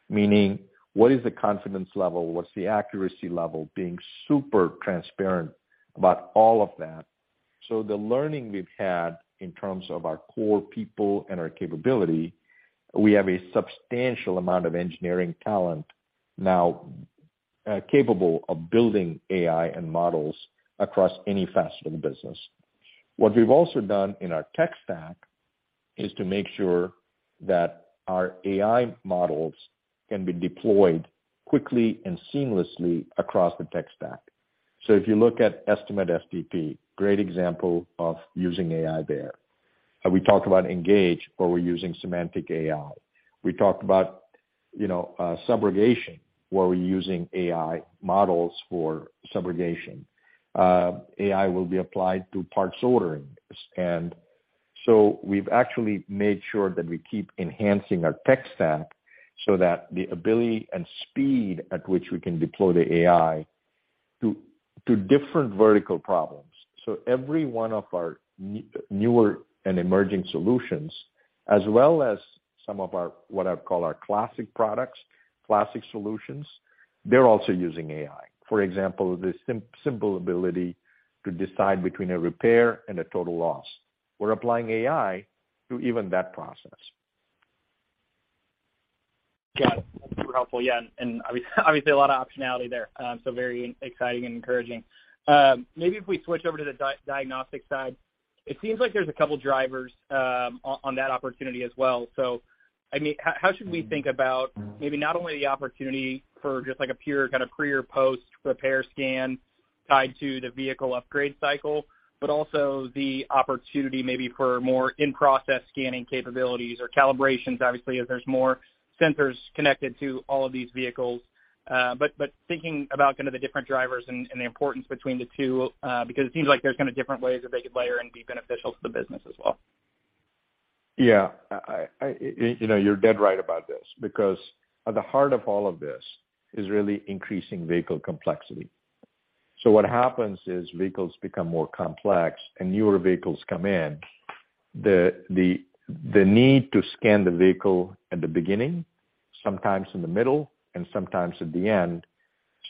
Meaning what is the confidence level? What's the accuracy level? Being super transparent about all of that. The learning we've had in terms of our core people and our capability, we have a substantial amount of engineering talent now, capable of building AI and models across any facet of the business. What we've also done in our tech stack is to make sure that our AI models can be deployed quickly and seamlessly across the tech stack. If you look at Estimate STP, great example of using AI there. We talked about Engage, where we're using semantic AI. We talked about, you know, subrogation, where we're using AI models for subrogation. AI will be applied to parts ordering. We've actually made sure that we keep enhancing our tech stack so that the ability and speed at which we can deploy the AI to different vertical problems. Every one of our newer and emerging solutions, as well as some of our, what I'd call our classic products, classic solutions, they're also using AI. For example, the simple ability to decide between a repair and a total loss. We're applying AI to even that process. Got it. That's super helpful. Obviously a lot of optionality there, so very exciting and encouraging. Maybe if we switch over to the diagnostic side. It seems like there's a couple drivers on that opportunity as well. I mean, how should we think about maybe not only the opportunity for just like a pure kind of pre or post-repair scan tied to the vehicle upgrade cycle, but also the opportunity maybe for more in-process scanning capabilities or calibrations, obviously, as there's more sensors connected to all of these vehicles. Thinking about kind of the different drivers and the importance between the two, because it seems like there's kind of different ways that they could layer and be beneficial to the business as well. You know, you're dead right about this because at the heart of all of this is really increasing vehicle complexity. What happens is vehicles become more complex and newer vehicles come in. The need to scan the vehicle at the beginning, sometimes in the middle and sometimes at the end,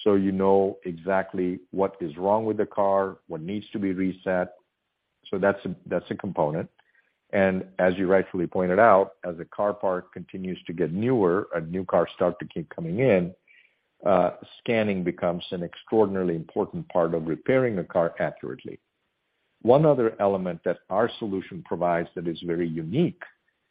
so you know exactly what is wrong with the car, what needs to be reset. That's a, that's a component. As you rightfully pointed out, as a car park continues to get newer and new cars start to keep coming in, scanning becomes an extraordinarily important part of repairing a car accurately. One other element that our solution provides that is very unique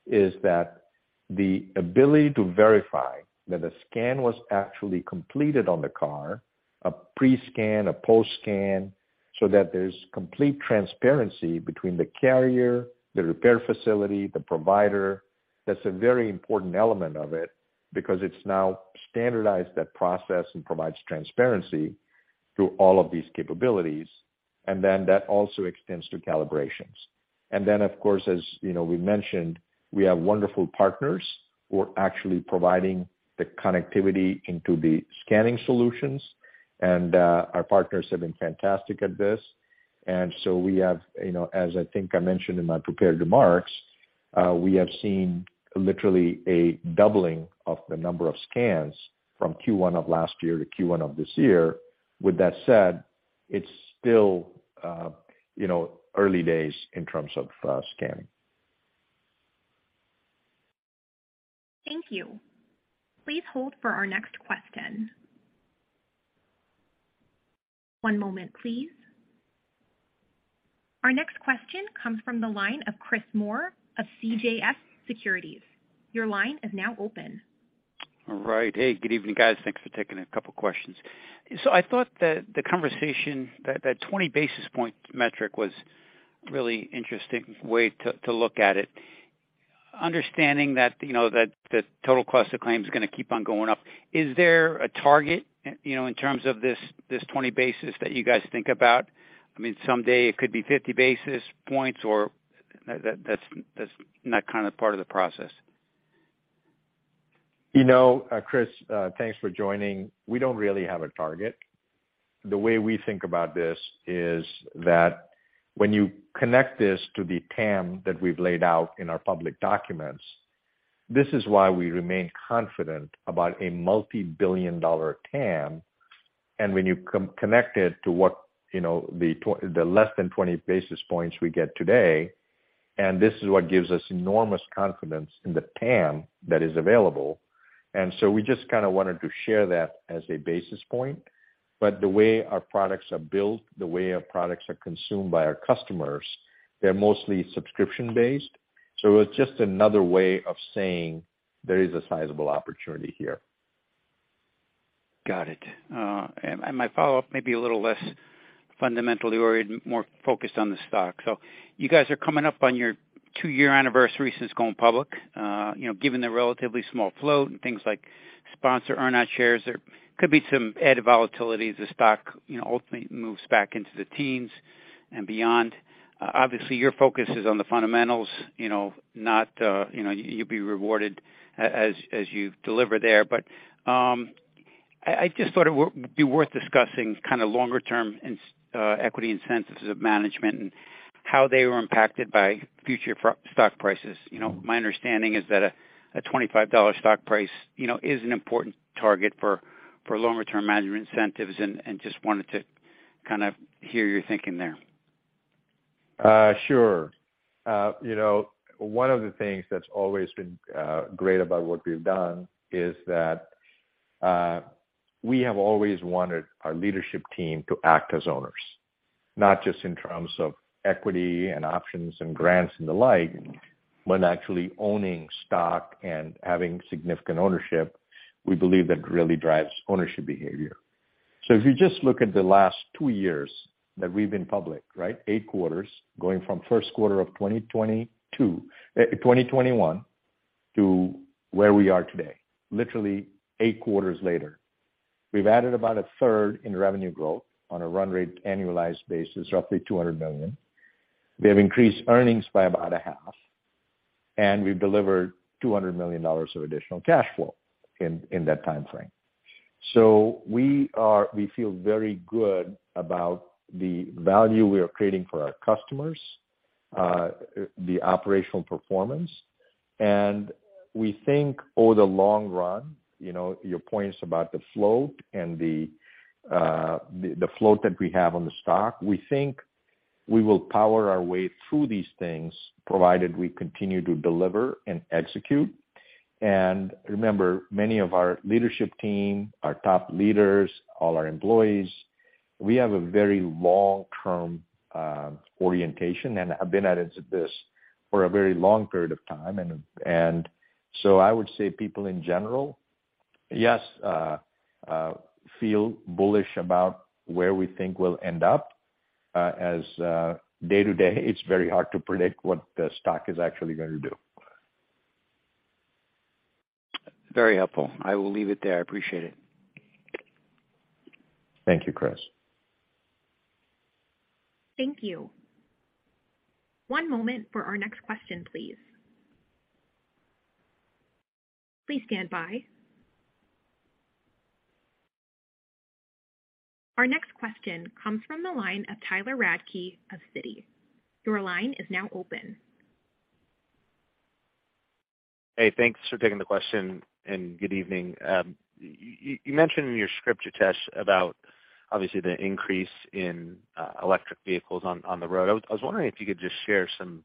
is that the ability to verify that a scan was actually completed on the car, a pre-scan, a post-scan, so that there's complete transparency between the carrier, the repair facility, the provider. That's a very important element of it because it's now standardized that process and provides transparency through all of these capabilities. That also extends to calibrations. Then, of course, as you know, we mentioned we have wonderful partners who are actually providing the connectivity into the scanning solutions. Our partners have been fantastic at this. So we have, you know, as I think I mentioned in my prepared remarks, we have seen literally a doubling of the number of scans from Q1 of last year to Q1 of this year. With that said, it's still, you know, early days in terms of scanning. Thank you. Please hold for our next question. One moment, please. Our next question comes from the line of Chris Moore of CJS Securities. Your line is now open. All right. Hey, good evening, guys. Thanks for taking a couple questions. I thought that the 20 basis point metric was really interesting way to look at it. Understanding that, you know, that the total cost of claims is gonna keep on going up. Is there a target, you know, in terms of this 20 basis that you guys think about? I mean, someday it could be 50 basis points or that's not kind of part of the process. You know, Chris, thanks for joining. We don't really have a target. The way we think about this is that when you connect this to the TAM that we've laid out in our public documents, this is why we remain confident about a multi-billion dollar TAM. When you connect it to what, the less than 20 basis points we get today, and this is what gives us enormous confidence in the TAM that is available. We just kinda wanted to share that as a basis point. The way our products are built, the way our products are consumed by our customers, they're mostly subscription-based. It's just another way of saying there is a sizable opportunity here. Got it. My follow-up may be a little less fundamentally oriented, more focused on the stock. You guys are coming up on your two-year anniversary since going public. You know, given the relatively small float and things like sponsor earn-out shares, there could be some added volatility as the stock, you know, ultimately moves back into the teens and beyond. Obviously, your focus is on the fundamentals, you know, not, you know, you'll be rewarded as you deliver there. I just thought it be worth discussing kind of longer term in equity incentives of management and how they were impacted by future stock prices. You know, my understanding is that a $25 stock price, you know, is an important target for longer term management incentives and just wanted to kind of hear your thinking there. Sure. You know, one of the things that's always been great about what we've done is that we have always wanted our leadership team to act as owners, not just in terms of equity and options and grants and the like, but actually owning stock and having significant ownership, we believe that really drives ownership behavior. If you just look at the last two years that we've been public, right? 8 quarters going from first quarter of 2021 to where we are today, literally 8 quarters later. We've added about a third in revenue growth on a run rate annualized basis, roughly $200 million. We have increased earnings by about a half, and we've delivered $200 million of additional cash flow in that timeframe. We feel very good about the value we are creating for our customers, the operational performance. We think over the long run, you know, your points about the float and the float that we have on the stock, we think we will power our way through these things, provided we continue to deliver and execute. Remember, many of our leadership team, our top leaders, all our employees, we have a very long-term orientation and have been at it this for a very long period of time. I would say people in general, yes, feel bullish about where we think we'll end up, as day-to-day, it's very hard to predict what the stock is actually gonna do. Very helpful. I will leave it there. I appreciate it. Thank you, Chris. Thank you. One moment for our next question, please. Please stand by. Our next question comes from the line of Tyler Radke of Citi. Your line is now open. Hey, thanks for taking the question and good evening. You mentioned in your script, Githesh, about obviously the increase in electric vehicles on the road. I was wondering if you could just share some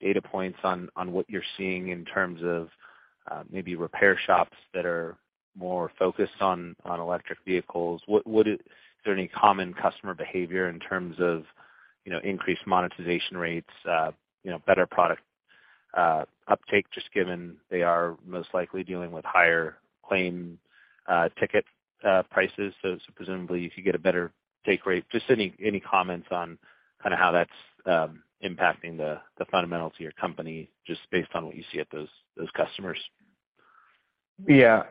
data points on what you're seeing in terms of maybe repair shops that are more focused on electric vehicles. Is there any common customer behavior in terms of, you know, increased monetization rates, better product uptake, just given they are most likely dealing with higher claim ticket prices, so presumably you could get a better take rate. Just any comments on kind of how that's impacting the fundamentals of your company, just based on what you see at those customers. Yeah.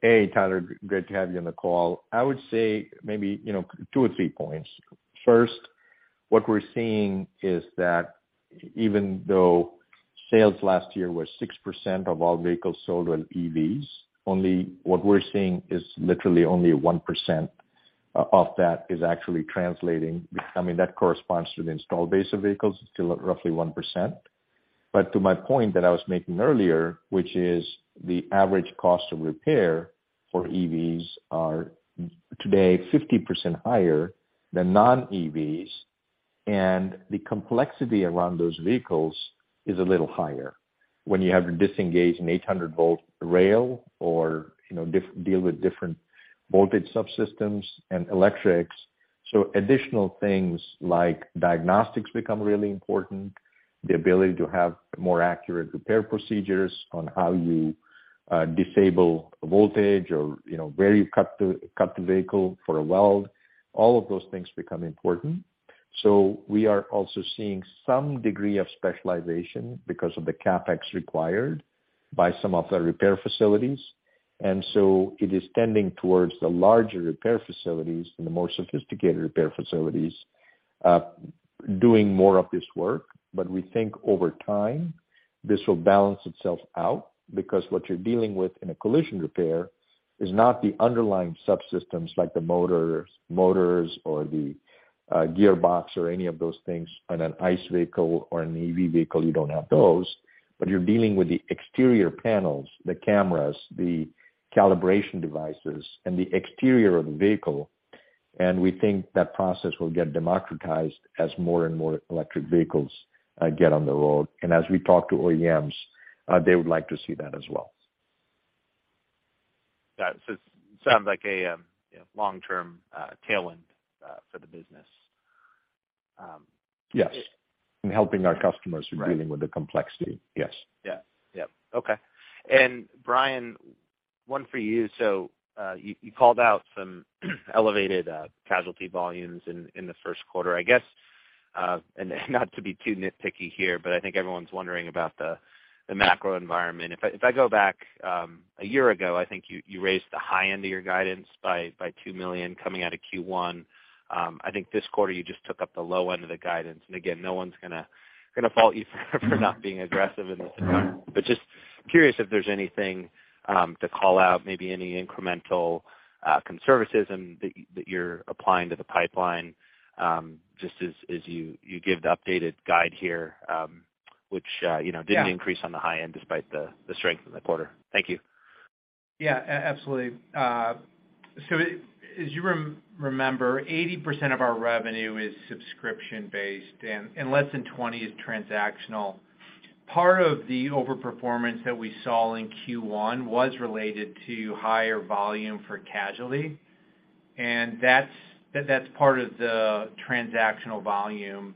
Hey, Tyler, good to have you on the call. I would say maybe, you know, two or three points. First, what we're seeing is that even though sales last year were 6% of all vehicles sold on EVs, only what we're seeing is literally only 1% of that is actually translating. I mean, that corresponds to the installed base of vehicles. It's still at roughly 1%. To my point that I was making earlier, which is the average cost of repair for EVs are today 50% higher than non-EVs, and the complexity around those vehicles is a little higher when you have to disengage an 800 volt rail or, you know, deal with different voltage subsystems and electrics. Additional things like diagnostics become really important, the ability to have more accurate repair procedures on how you disable voltage or, you know, where you cut the vehicle for a weld, all of those things become important. We are also seeing some degree of specialization because of the CapEx required by some of the repair facilities. It is tending towards the larger repair facilities and the more sophisticated repair facilities doing more of this work. We think over time, this will balance itself out because what you're dealing with in a collision repair is not the underlying subsystems like the motors or the gearbox or any of those things on an ICE vehicle or an EV vehicle, you don't have those. You're dealing with the exterior panels, the cameras, the calibration devices, and the exterior of the vehicle, and we think that process will get democratized as more and more electric vehicles get on the road. As we talk to OEMs, they would like to see that as well. That sounds like a long-term tailwind for the business. Yes. Helping our customers with dealing with the complexity. Yes. Yeah. Yep. Okay. Brian, one for you. You called out some elevated casualty volumes in the first quarter. I guess, not to be too nitpicky here, but I think everyone's wondering about the macro environment. If I go back a year ago, I think you raised the high end of your guidance by $2 million coming out of Q1. I think this quarter you just took up the low end of the guidance. Again, no one's gonna fault you for not being aggressive in this environment. But just curious if there's anything to call out, maybe any incremental conservatism that you're applying to the pipeline, just as you give the updated guide here, which, you know. Yeah. -didn't increase on the high end despite the strength in the quarter. Thank you. Absolutely. So as you remember, 80% of our revenue is subscription-based and less than 20% is transactional. Part of the overperformance that we saw in Q1 was related to higher volume for casualty, and that's part of the transactional volume.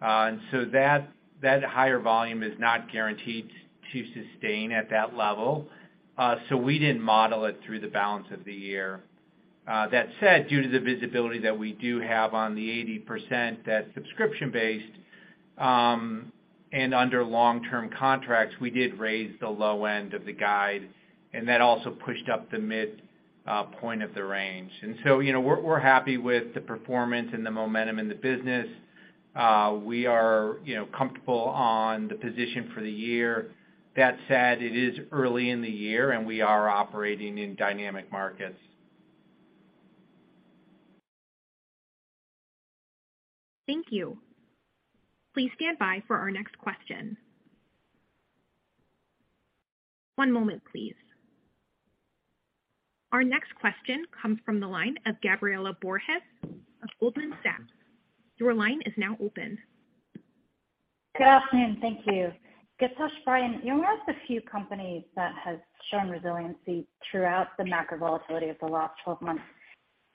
That higher volume is not guaranteed to sustain at that level. We didn't model it through the balance of the year. That said, due to the visibility that we do have on the 80% that's subscription-based, and under long-term contracts, we did raise the low end of the guide, and that also pushed up the mid point of the range. So, you know, we're happy with the performance and the momentum in the business. We are, you know, comfortable on the position for the year. That said, it is early in the year, and we are operating in dynamic markets. Thank you. Please stand by for our next question. One moment, please. Our next question comes from the line of Gabriela Borges of Goldman Sachs. Your line is now open. Good afternoon. Thank you. Githesh, Brian, you're one of the few companies that has shown resiliency throughout the macro volatility of the last 12 months.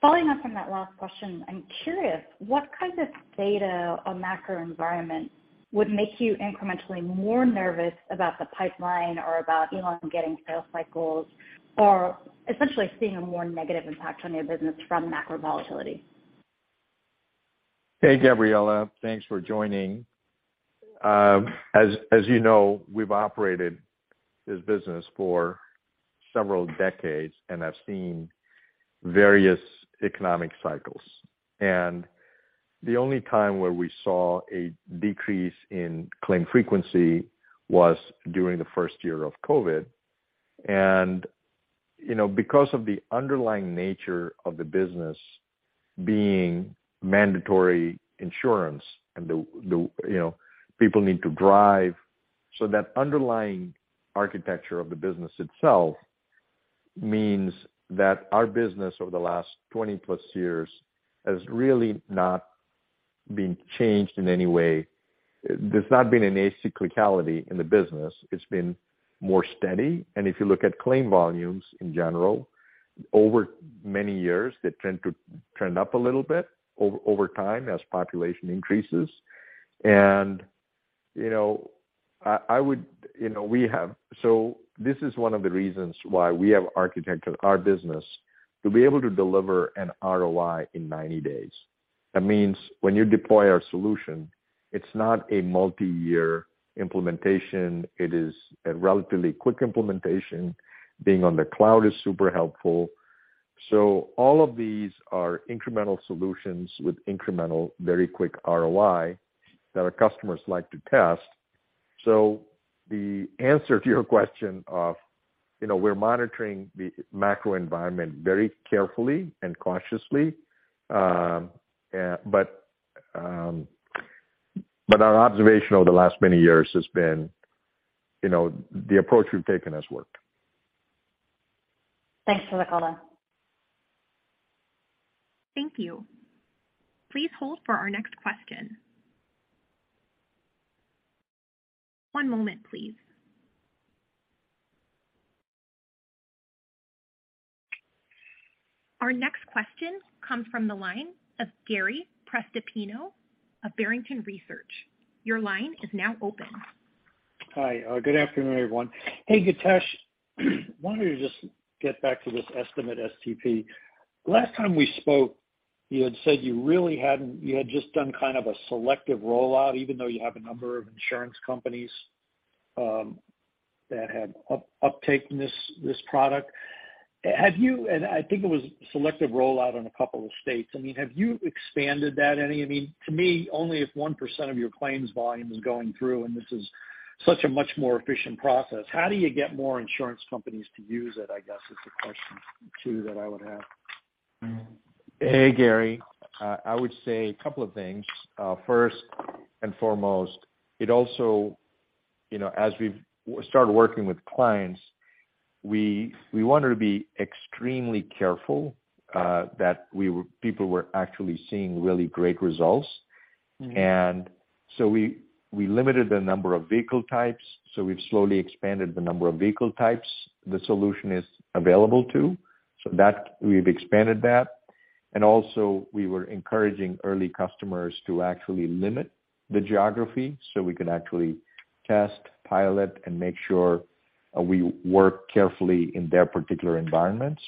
Following up from that last question, I'm curious, what kind of data or macro environment would make you incrementally more nervous about the pipeline or about elongating sales cycles or essentially seeing a more negative impact on your business from macro volatility? Hey, Gabriela. Thanks for joining. As you know, we've operated this business for several decades and have seen various economic cycles. The only time where we saw a decrease in claim frequency was during the first year of COVID. You know, because of the underlying nature of the business being mandatory insurance and the, you know, people need to drive. That underlying architecture of the business itself means that our business over the last 20+ years has really not been changed in any way. There's not been an acyclicality in the business. It's been more steady. If you look at claim volumes in general, over many years, they tend to trend up a little bit over time as population increases. You know, I would... You know, this is one of the reasons why we have architected our business to be able to deliver an ROI in 90 days. That means when you deploy our solution, it's not a multi-year implementation. It is a relatively quick implementation. Being on the cloud is super helpful. All of these are incremental solutions with incremental, very quick ROI that our customers like to test. The answer to your question of, you know, we're monitoring the macro environment very carefully and cautiously. Our observation over the last many years has been, you know, the approach we've taken has worked. Thanks for the call. Thank you. Please hold for our next question. One moment, please. Our next question comes from the line of Gary Prestopino of Barrington Research. Your line is now open. Hi. Hey, Githesh. Wanted to just get back to this Estimate STP. Last time we spoke, you had said you really hadn't you had just done kind of a selective rollout, even though you have a number of insurance companies, that had uptaken this product. Have you? I think it was selective rollout in a couple of states. I mean, have you expanded that any? I mean, to me, only if 1% of your claims volume is going through, and this is such a much more efficient process, how do you get more insurance companies to use it, I guess, is the question too that I would have. Hey, Gary. I would say a couple of things. First and foremost, it also. You know, as we've started working with clients, we wanted to be extremely careful that people were actually seeing really great results. Mm-hmm. We limited the number of vehicle types. We've slowly expanded the number of vehicle types the solution is available to. That, we've expanded that. Also, we were encouraging early customers to actually limit the geography so we can actually test, pilot, and make sure we work carefully in their particular environments.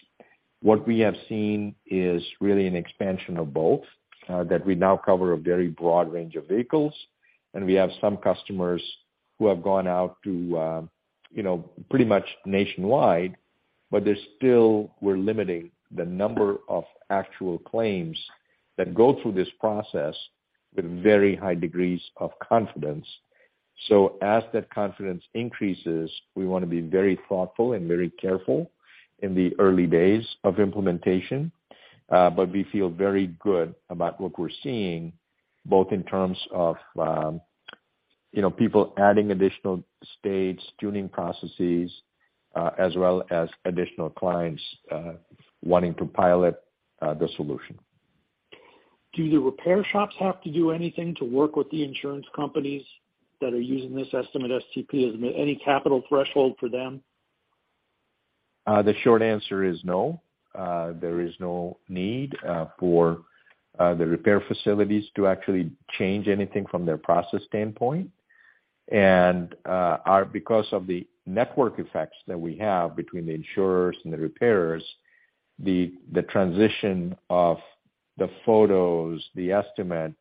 What we have seen is really an expansion of both, that we now cover a very broad range of vehicles, and we have some customers who have gone out to, you know, pretty much nationwide. There's still, we're limiting the number of actual claims that go through this process with very high degrees of confidence. As that confidence increases, we wanna be very thoughtful and very careful in the early days of implementation. We feel very good about what we're seeing, both in terms of, you know, people adding additional states, tuning processes, as well as additional clients, wanting to pilot the solution. Do the repair shops have to do anything to work with the insurance companies that are using this Estimate STP? Is there any capital threshold for them? The short answer is no. There is no need for the repair facilities to actually change anything from their process standpoint. Because of the network effects that we have between the insurers and the repairers, the transition of the photos, the estimate,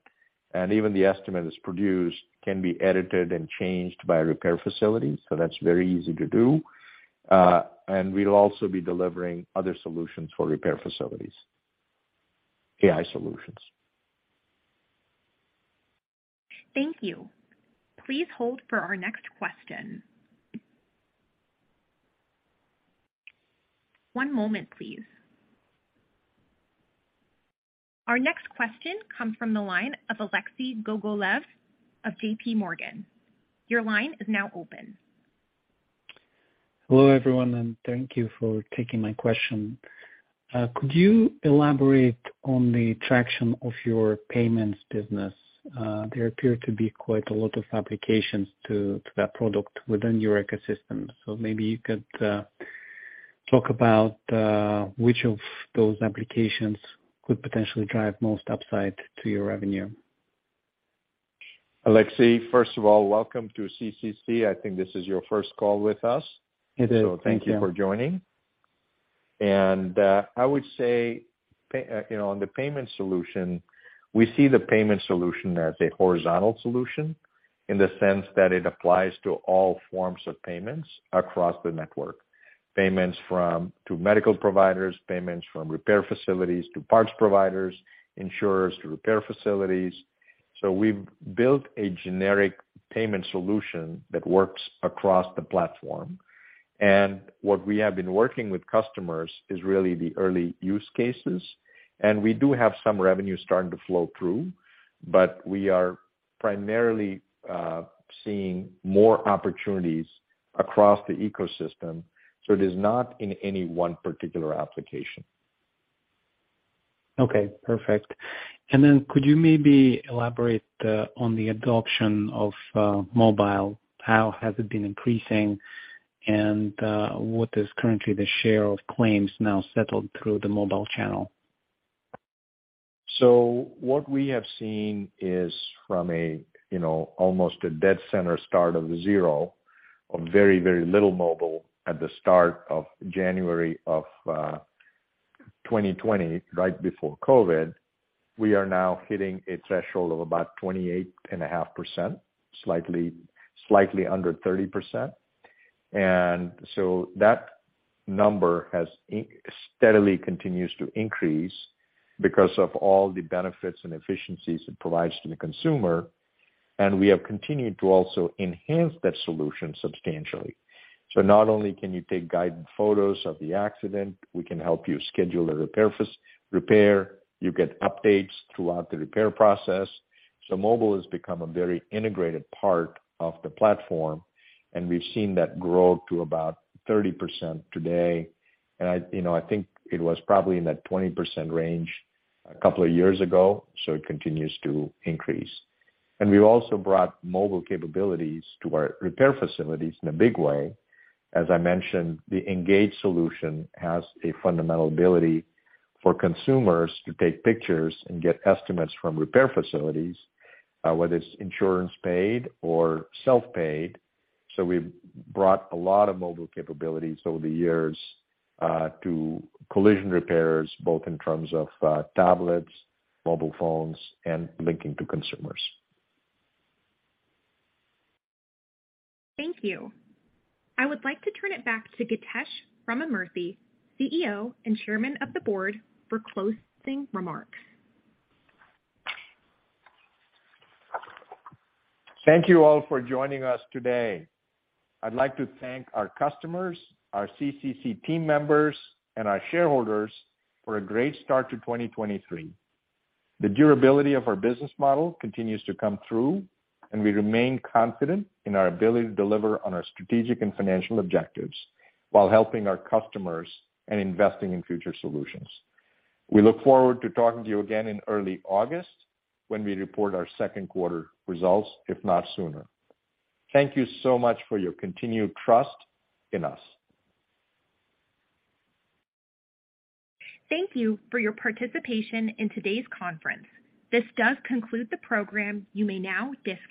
and even the estimate that's produced can be edited and changed by repair facilities, so that's very easy to do. We'll also be delivering other solutions for repair facilities, AI solutions. Thank you. Please hold for our next question. One moment, please. Our next question comes from the line of Alexei Gogolev of JPMorgan. Your line is now open. Hello, everyone, and thank you for taking my question. Could you elaborate on the traction of your payments business? There appear to be quite a lot of applications to that product within your ecosystem. Maybe you could talk about which of those applications could potentially drive most upside to your revenue. Alexei, first of all, welcome to CCC. I think this is your first call with us. It is. Thank you. Thank you for joining. I would say, you know, on the payment solution, we see the payment solution as a horizontal solution in the sense that it applies to all forms of payments across the network. Payments from to medical providers, payments from repair facilities to parts providers, insurers to repair facilities. We've built a generic payment solution that works across the platform. What we have been working with customers is really the early use cases, and we do have some revenue starting to flow through, but we are primarily seeing more opportunities across the ecosystem, so it is not in any one particular application. Okay. Perfect. Then could you maybe elaborate on the adoption of mobile? How has it been increasing? What is currently the share of claims now settled through the mobile channel? What we have seen is from a, you know, almost a dead center start of zero of very little mobile at the start of January 2020, right before COVID, we are now hitting a threshold of about 28.5%, slightly under 30%. That number has steadily continues to increase because of all the benefits and efficiencies it provides to the consumer, and we have continued to also enhance that solution substantially. Not only can you take guided photos of the accident, we can help you schedule a repair. You get updates throughout the repair process. Mobile has become a very integrated part of the platform, and we've seen that grow to about 30% today. I, you know, I think it was probably in that 20% range a couple of years ago, so it continues to increase. We've also brought mobile capabilities to our repair facilities in a big way. As I mentioned, the CCC Engage solution has a fundamental ability for consumers to take pictures and get estimates from repair facilities, whether it's insurance paid or self-paid. We've brought a lot of mobile capabilities over the years, to collision repairs, both in terms of, tablets, mobile phones, and linking to consumers. Thank you. I would like to turn it back to Githesh Ramamurthy, CEO and Chairman of the Board, for closing remarks. Thank you all for joining us today. I'd like to thank our customers, our CCC team members, and our shareholders for a great start to 2023. The durability of our business model continues to come through. We remain confident in our ability to deliver on our strategic and financial objectives while helping our customers and investing in future solutions. We look forward to talking to you again in early August when we report our second quarter results, if not sooner. Thank you so much for your continued trust in us. Thank you for your participation in today's conference. This does conclude the program. You may now disconnect.